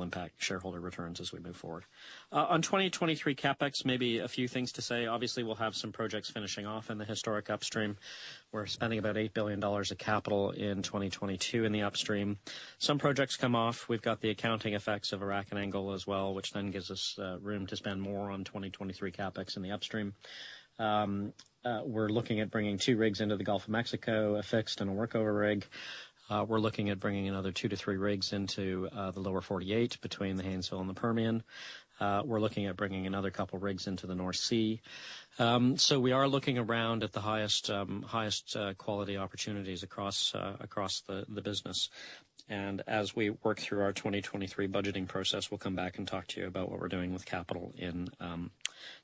impact shareholder returns as we move forward. On 2023 CapEx, maybe a few things to say. Obviously, we'll have some projects finishing off in the historic upstream. We're spending about $8 billion of capital in 2022 in the upstream. Some projects come off. We've got the accounting effects of Iraq and Angola as well, which then gives us room to spend more on 2023 CapEx in the upstream. We're looking at bringing two rigs into the Gulf of Mexico, a fixed and a workover rig. We're looking at bringing another two to three rigs into the lower 48 between the Haynesville and the Permian. We're looking at bringing another couple rigs into the North Sea. We are looking around at the highest quality opportunities across the business. As we work through our 2023 budgeting process, we'll come back and talk to you about what we're doing with capital in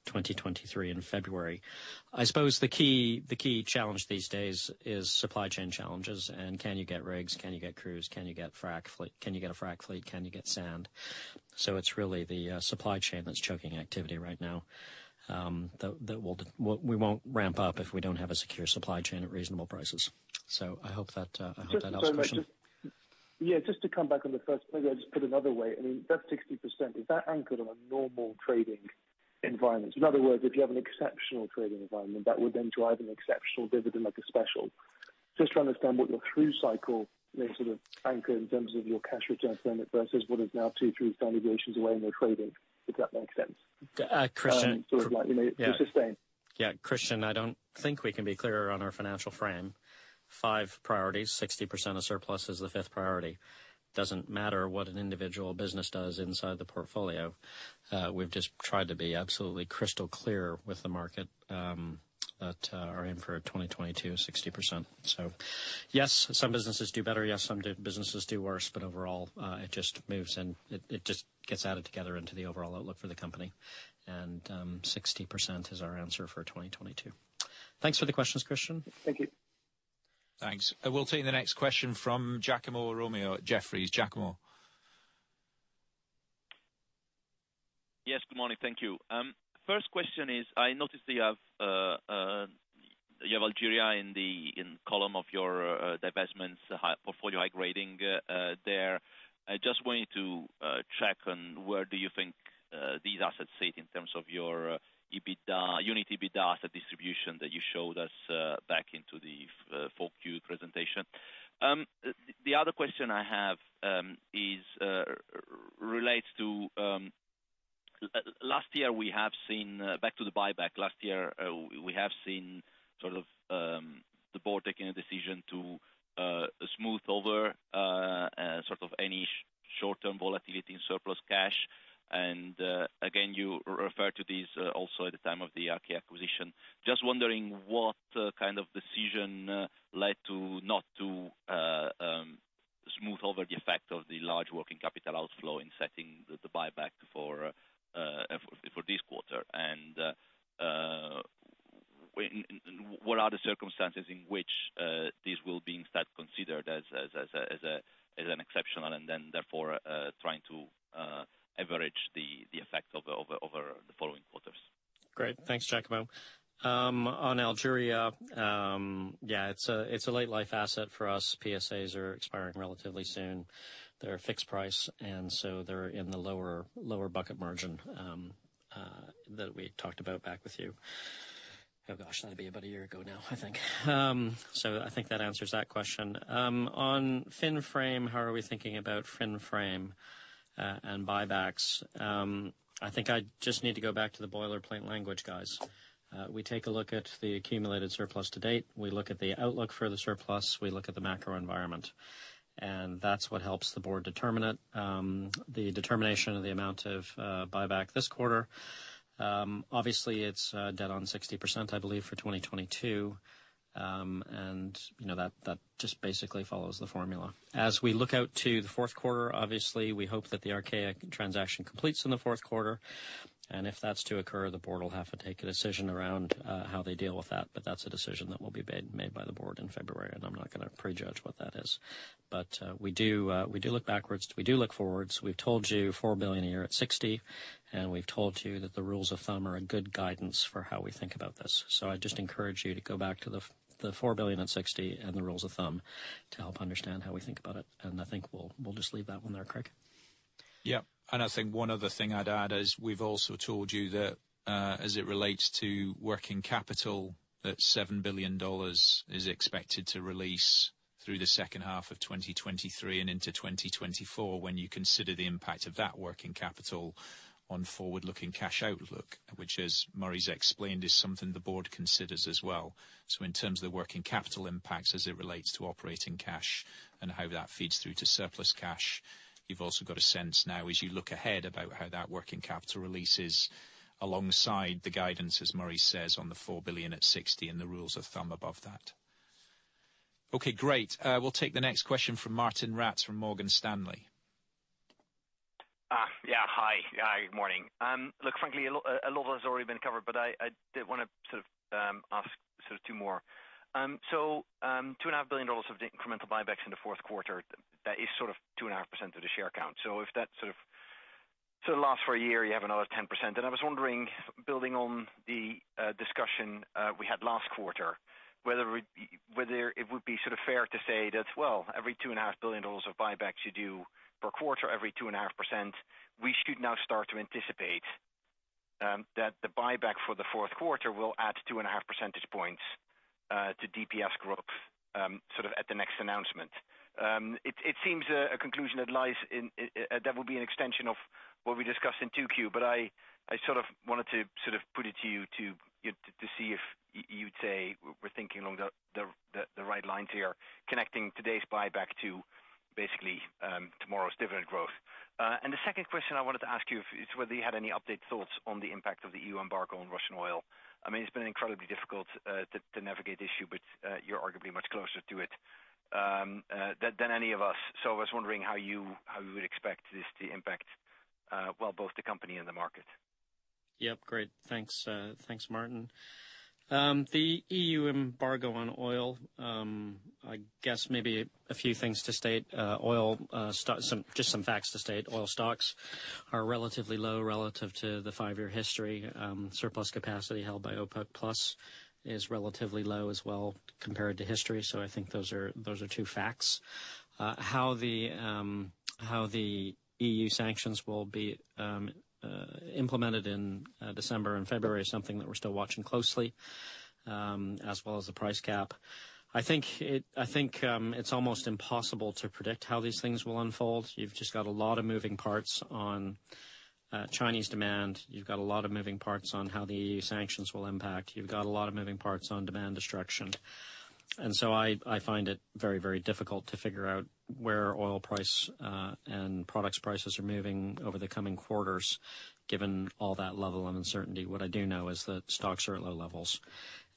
2023 in February. I suppose the key challenge these days is supply chain challenges. Can you get rigs? Can you get crews? Can you get frac fleet? Can you get a frac fleet? Can you get sand? It's really the supply chain that's choking activity right now, that we won't ramp up if we don't have a secure supply chain at reasonable prices. I hope that answers your question. Yeah, just to come back on the first, maybe I'll just put another way. I mean, that 60%, is that anchored on a normal trading environment? In other words, if you have an exceptional trading environment that would then drive an exceptional dividend like a special. Just to understand what your true cycle may sort of anchor in terms of your cash return versus what is now two, three standard deviations away in your trading, if that makes sense. Christyan. Sort of like, you know, to sustain. Yeah. Christyan, I don't think we can be clearer on our financial frame. Five priorities, 60% of surplus is the fifth priority. Doesn't matter what an individual business does inside the portfolio. We've just tried to be absolutely crystal clear with the market that our aim for 2022 is 60%. Yes, some businesses do better. Some businesses do worse. Overall, it just moves and it just gets added together into the overall outlook for the company. 60% is our answer for 2022. Thanks for the questions, Christyan. Thank you. Thanks. We'll take the next question from Giacomo Romeo at Jefferies. Giacomo. Yes, good morning. Thank you. First question is, I noticed that you have Algeria in the column of your divestments portfolio high grading there. I just wanted to check on where do you think these assets sit in terms of your EBITDA, unit EBITDA asset distribution that you showed us back in the 4Q presentation. The other question I have is it relates to last year we have seen the board taking a decision to smooth over sort of any short-term volatility in surplus cash. Again, you refer to this also at the time of the Archaea acquisition. Just wondering what kind of decision led not to smooth over the effect of the large working capital outflow in setting the buyback for this quarter. What are the circumstances in which this being considered as an exceptional and then therefore trying to average the effect over the following quarters? Great. Thanks, Giacomo. On Algeria, yeah, it's a late life asset for us. PSAs are expiring relatively soon. They're a fixed price, and so they're in the lower bucket margin that we talked about back with you. Oh, gosh, that'd be about a year ago now, I think. So I think that answers that question. On framework, how are we thinking about framework and buybacks? I think I just need to go back to the boilerplate language, guys. We take a look at the accumulated surplus to date. We look at the outlook for the surplus. We look at the macro environment. That's what helps the board determine it. The determination of the amount of buyback this quarter. Obviously it's dead on 60%, I believe, for 2022. You know, that just basically follows the formula. As we look out to the fourth quarter, obviously, we hope that the Archaea transaction completes in the fourth quarter. If that's to occur, the board will have to take a decision around how they deal with that. That's a decision that will be made by the board in February, and I'm not gonna prejudge what that is. We do look backwards, we do look forwards. We've told you $4 billion a year at $60, and we've told you that the rules of thumb are a good guidance for how we think about this. I just encourage you to go back to the $4 billion and $60 and the rules of thumb to help understand how we think about it. I think we'll just leave that one there, Craig. Yep. I think one other thing I'd add is we've also told you that, as it relates to working capital, that $7 billion is expected to release through the second half of 2023 and into 2024. When you consider the impact of that working capital on forward-looking cash outlook, which, as Murray's explained, is something the board considers as well. In terms of the working capital impacts as it relates to operating cash and how that feeds through to surplus cash, you've also got a sense now as you look ahead about how that working capital releases alongside the guidance, as Murray says, on the $4 billion at $60 and the rules of thumb above that. Okay, great. We'll take the next question from Martijn Rats from Morgan Stanley. Yeah, hi. Hi, good morning. Look, frankly, a lot of it has already been covered, but I did wanna sort of ask sort of two more. $2.5 billion of the incremental buybacks in the fourth quarter, that is sort of 2.5% of the share count. If that sort of lasts for a year, you have another 10%. I was wondering, building on the discussion we had last quarter, whether it would be sort of fair to say that, well, every $2.5 billion of buybacks you do per quarter, every 2.5%, we should now start to anticipate that the buyback for the fourth quarter will add 2.5 percentage points to DPS growth, sort of at the next announcement. It seems a conclusion that will be an extension of what we discussed in 2Q, but I sort of wanted to put it to you to see if you'd say we're thinking along the right lines here, connecting today's buyback to basically tomorrow's dividend growth. The second question I wanted to ask you is whether you had any update thoughts on the impact of the EU embargo on Russian oil. I mean, it's been incredibly difficult to navigate the issue, but you're arguably much closer to it than any of us. I was wondering how you would expect this to impact, well, both the company and the market. Yep, great. Thanks, Martijn. The EU embargo on oil, I guess maybe a few things to state. Some facts to state. Oil stocks are relatively low relative to the five-year history. Surplus capacity held by OPEC+ is relatively low as well compared to history. I think those are two facts. How the EU sanctions will be implemented in December and February is something that we're still watching closely, as well as the price cap. I think it's almost impossible to predict how these things will unfold. You've just got a lot of moving parts on Chinese demand. You've got a lot of moving parts on how the EU sanctions will impact. You've got a lot of moving parts on demand destruction. I find it very, very difficult to figure out where oil price and products prices are moving over the coming quarters, given all that level of uncertainty. What I do know is that stocks are at low levels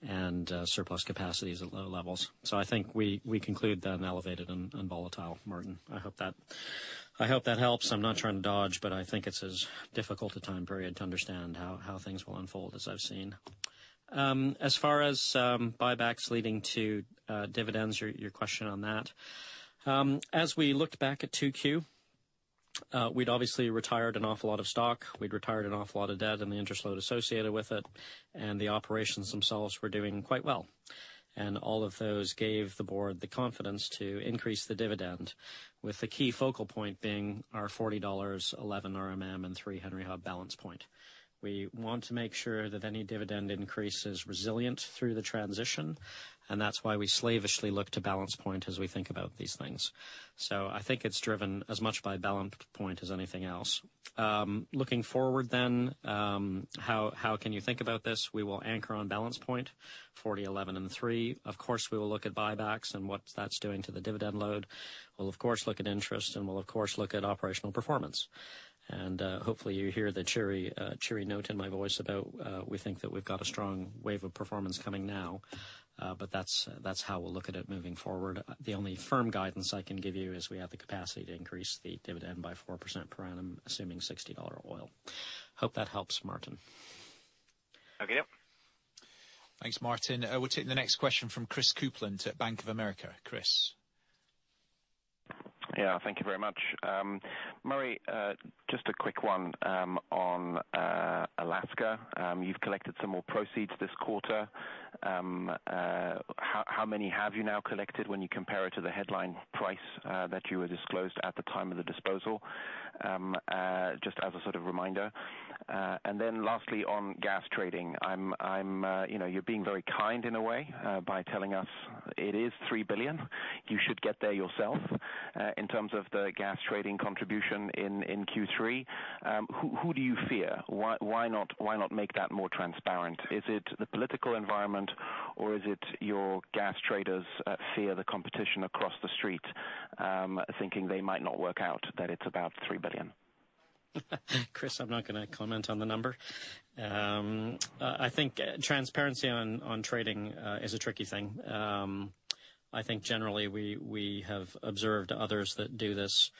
and surplus capacity is at low levels. I think we conclude then elevated and volatile, Martijn. I hope that helps. I'm not trying to dodge, but I think it's as difficult a time period to understand how things will unfold as I've seen. As far as buybacks leading to dividends, your question on that. As we looked back at 2Q, we'd obviously retired an awful lot of stock. We'd retired an awful lot of debt, and the interest load associated with it, and the operations themselves were doing quite well. All of those gave the board the confidence to increase the dividend with the key focal point being our $40, $11 RNG and $3 Henry Hub balance point. We want to make sure that any dividend increase is resilient through the transition, and that's why we slavishly look to balance point as we think about these things. I think it's driven as much by balance point as anything else. Looking forward then, how can you think about this? We will anchor on balance point $40 to $11 and $3. Of course, we will look at buybacks and what that's doing to the dividend load. We'll of course look at interest, and we'll of course look at operational performance. Hopefully you hear the cheery note in my voice about we think that we've got a strong wave of performance coming now. That's how we'll look at it moving forward. The only firm guidance I can give you is we have the capacity to increase the dividend by 4% per annum, assuming $60 oil. Hope that helps, Martijn. Okay. Thanks, Martijn. We'll take the next question from Chris Kuplent at Bank of America. Chris. Yeah. Thank you very much. Murray, just a quick one on Alaska. You've collected some more proceeds this quarter. How many have you now collected when you compare it to the headline price that you had disclosed at the time of the disposal? Just as a sort of reminder. Then lastly, on gas trading, I'm you know, you're being very kind in a way by telling us it is $3 billion. You should get there yourself in terms of the gas trading contribution in Q3. Who do you fear? Why not make that more transparent? Is it the political environment, or is it your gas traders fear the competition across the street thinking they might not work out, that it's about $3 billion? Chris, I'm not gonna comment on the number. I think transparency on trading is a tricky thing. I think generally we have observed others that do this.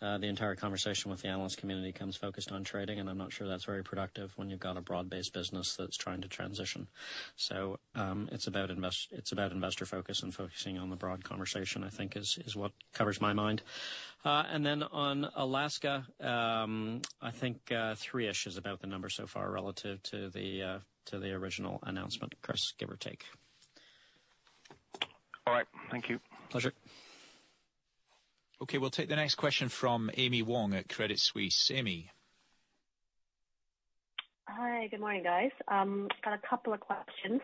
The entire conversation with the analyst community becomes focused on trading, and I'm not sure that's very productive when you've got a broad-based business that's trying to transition. It's about investor focus and focusing on the broad conversation, I think, is what covers my mind. On Alaska, I think, three-ish is about the number so far relative to the original announcement, Chris, give or take. Thank you. Pleasure. Okay. We'll take the next question from Amy Wong at Credit Suisse. Amy? Hi, good morning, guys. Got a couple of questions,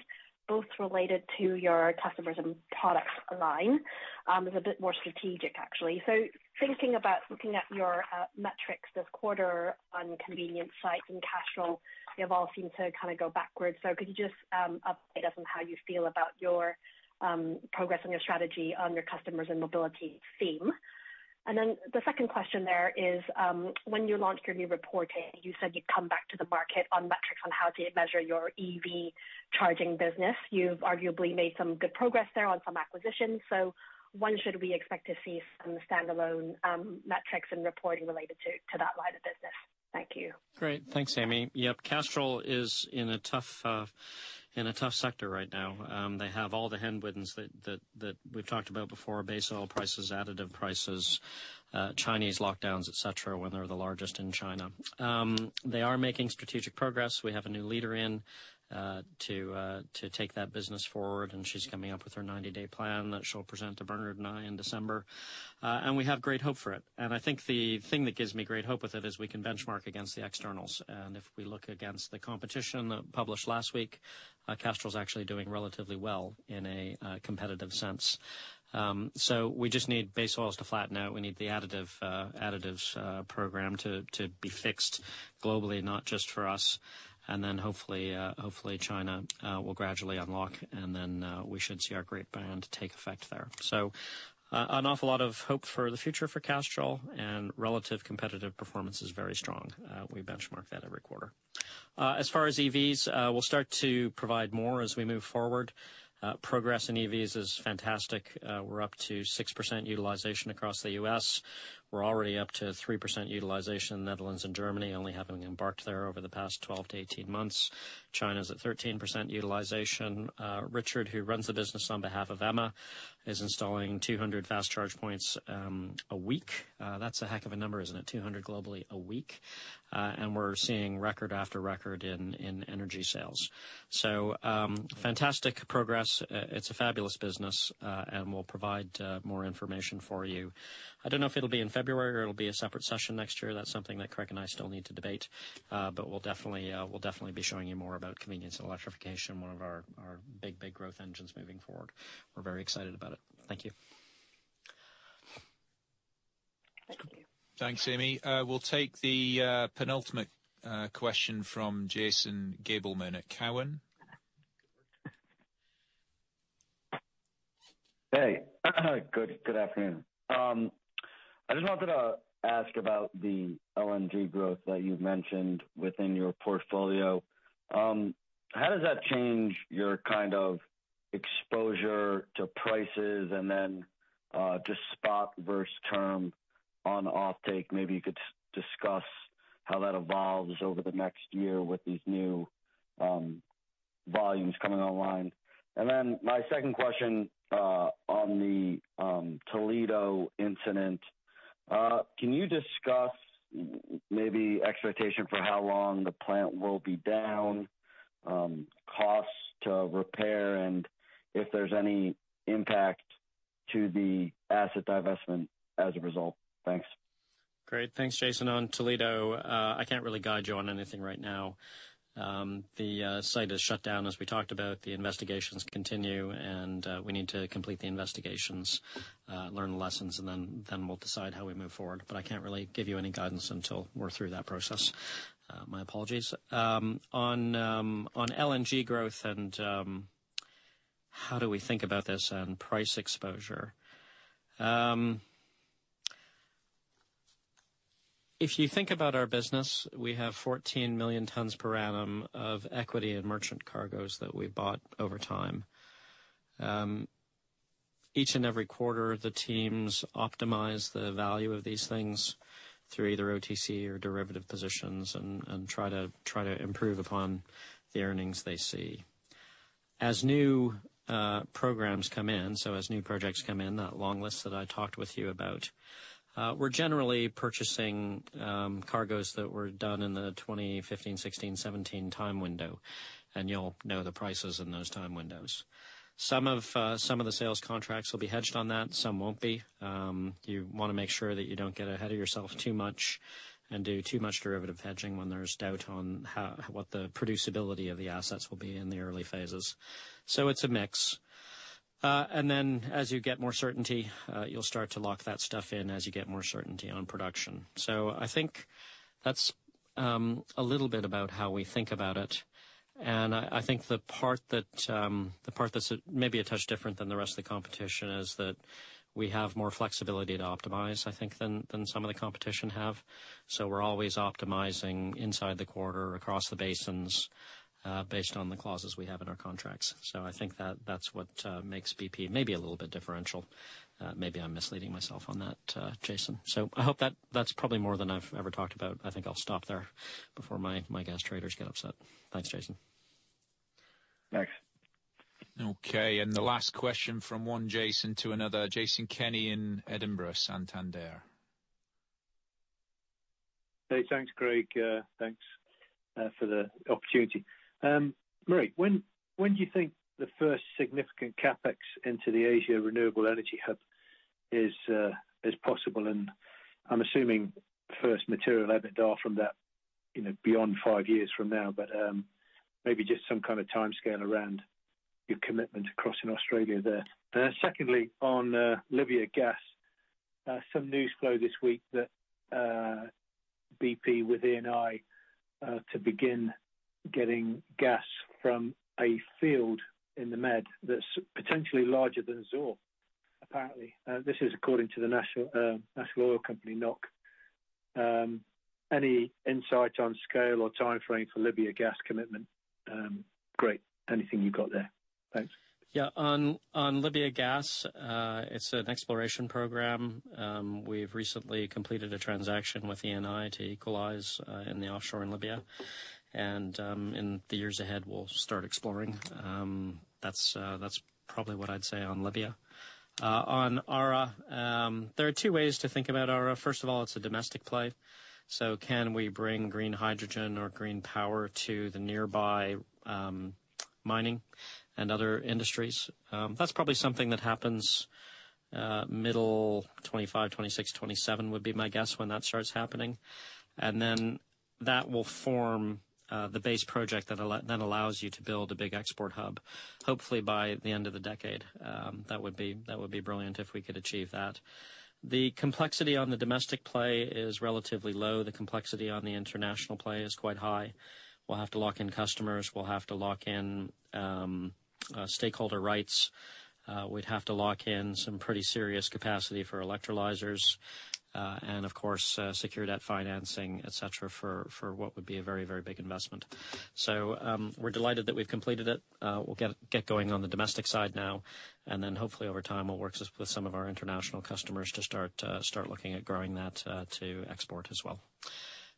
both related to your customers and products line. It's a bit more strategic, actually. Thinking about looking at your metrics this quarter on convenience site and Castrol, they have all seemed to kind of go backwards. Could you just update us on how you feel about your progress on your strategy on your customers and mobility theme? The second question there is, when you launched your new reporting, you said you'd come back to the market on metrics on how to measure your EV charging business. You've arguably made some good progress there on some acquisitions. When should we expect to see some standalone metrics and reporting related to that line of business? Thank you. Great. Thanks, Amy. Yep. Castrol is in a tough sector right now. They have all the headwinds that we've talked about before, base oil prices, additive prices, Chinese lockdowns, et cetera, when they're the largest in China. They are making strategic progress. We have a new leader to take that business forward, and she's coming up with her 90-day plan that she'll present to Bernard and I in December. We have great hope for it. I think the thing that gives me great hope with it is we can benchmark against the externals. If we look against the competition that published last week, Castrol is actually doing relatively well in a competitive sense. We just need base oils to flatten out. We need the additives program to be fixed globally, not just for us. Hopefully China will gradually unlock, and then we should see our great brand take effect there. An awful lot of hope for the future for Castrol and relative competitive performance is very strong. We benchmark that every quarter. As far as EVs, we'll start to provide more as we move forward. Progress in EVs is fantastic. We're up to 6% utilization across the U.S. We're already up to 3% utilization in the Netherlands and Germany, only having embarked there over the past 12 months-18 months. China's at 13% utilization. Richard, who runs the business on behalf of Emma, is installing 200 fast charge points a week. That's a heck of a number, isn't it? 200 globally a week. We're seeing record after record in energy sales. Fantastic progress. It's a fabulous business, and we'll provide more information for you. I don't know if it'll be in February or it'll be a separate session next year. That's something that Craig and I still need to debate, but we'll definitely be showing you more about convenience and electrification, one of our big growth engines moving forward. We're very excited about it. Thank you. Thank you. Thanks, Amy. We'll take the penultimate question from Jason Gabelman at Cowen. Hey. Good afternoon. I just wanted to ask about the LNG growth that you've mentioned within your portfolio. How does that change your kind of exposure to prices and then, just spot versus term on offtake? Maybe you could discuss how that evolves over the next year with these new volumes coming online. My second question, on the Toledo incident, can you discuss maybe expectation for how long the plant will be down, costs to repair, and if there's any impact to the asset divestment as a result? Thanks. Great. Thanks, Jason. On Toledo, I can't really guide you on anything right now. The site is shut down, as we talked about. The investigations continue and we need to complete the investigations, learn the lessons, and then we'll decide how we move forward. I can't really give you any guidance until we're through that process. My apologies. On LNG growth and how do we think about this and price exposure. If you think about our business, we have 14 million tons per annum of equity and merchant cargoes that we bought over time. Each and every quarter, the teams optimize the value of these things through either OTC or derivative positions and try to improve upon the earnings they see. As new projects come in, that long list that I talked with you about, we're generally purchasing cargoes that were done in the 2015, 2016, 2017 time window, and you'll know the prices in those time windows. Some of the sales contracts will be hedged on that. Some won't be. You wanna make sure that you don't get ahead of yourself too much and do too much derivative hedging when there's doubt on how what the producibility of the assets will be in the early phases. It's a mix. As you get more certainty, you'll start to lock that stuff in as you get more certainty on production. I think that's a little bit about how we think about it. I think the part that's maybe a touch different than the rest of the competition is that we have more flexibility to optimize, I think, than some of the competition have. We're always optimizing inside the quarter across the basins based on the clauses we have in our contracts. I think that's what makes bp maybe a little bit differentiated. Maybe I'm misleading myself on that, Jason. I hope that. That's probably more than I've ever talked about. I think I'll stop there before my gas traders get upset. Thanks, Jason. Thanks. Okay. The last question from one Jason to another, Jason Kenney in Edinburgh, Santander. Hey, thanks, Craig. Thanks for the opportunity. Murray, when do you think the first significant CapEx into the Asian Renewable Energy Hub is possible? I'm assuming first material EBITDA from that, you know, beyond five years from now. Maybe just some kind of timescale around your commitment across in Australia there. Secondly, on Libya gas, some news flow this week that bp with ENI to begin getting gas from a field in the Med that's potentially larger than Zohr, apparently. This is according to the National Oil Company, NOC. Any insight on scale or timeframe for Libya gas commitment? Great. Anything you got there. Thanks. Yeah. On Libya gas, it's an exploration program. We've recently completed a transaction with ENI to equalize in the offshore in Libya. In the years ahead, we'll start exploring. That's probably what I'd say on Libya. On ARA, there are two ways to think about ARA. First of all, it's a domestic play, so can we bring green hydrogen or green power to the nearby mining and other industries? That's probably something that happens middle 2025, 2026, 2027 would be my guess when that starts happening. Then that will form the base project that allows you to build a big export hub, hopefully by the end of the decade. That would be brilliant if we could achieve that. The complexity on the domestic play is relatively low. The complexity on the international play is quite high. We'll have to lock in customers, we'll have to lock in stakeholder rights. We'd have to lock in some pretty serious capacity for electrolyzers, and of course, secure debt financing, et cetera, for what would be a very, very big investment. We're delighted that we've completed it. We'll get going on the domestic side now, and then hopefully over time we'll work with some of our international customers to start looking at growing that to export as well.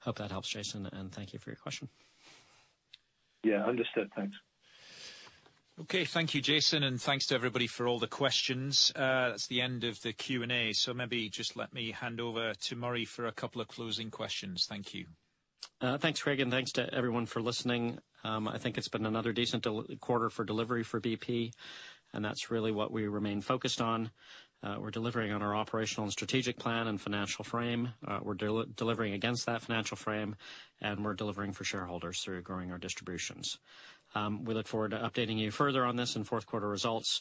Hope that helps, Jason, and thank you for your question. Yeah, understood. Thanks. Okay, thank you, Jason, and thanks to everybody for all the questions. That's the end of the Q&A, so maybe just let me hand over to Murray for a couple of closing questions. Thank you. Thanks, Craig, and thanks to everyone for listening. I think it's been another decent delivery quarter for bp, and that's really what we remain focused on. We're delivering on our operational and strategic plan and financial frame. We're delivering against that financial frame, and we're delivering for shareholders through growing our distributions. We look forward to updating you further on this in fourth quarter results,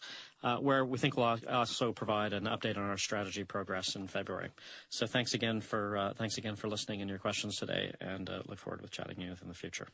where we think we'll also provide an update on our strategy progress in February. Thanks again for listening and your questions today and look forward to chatting with you in the future.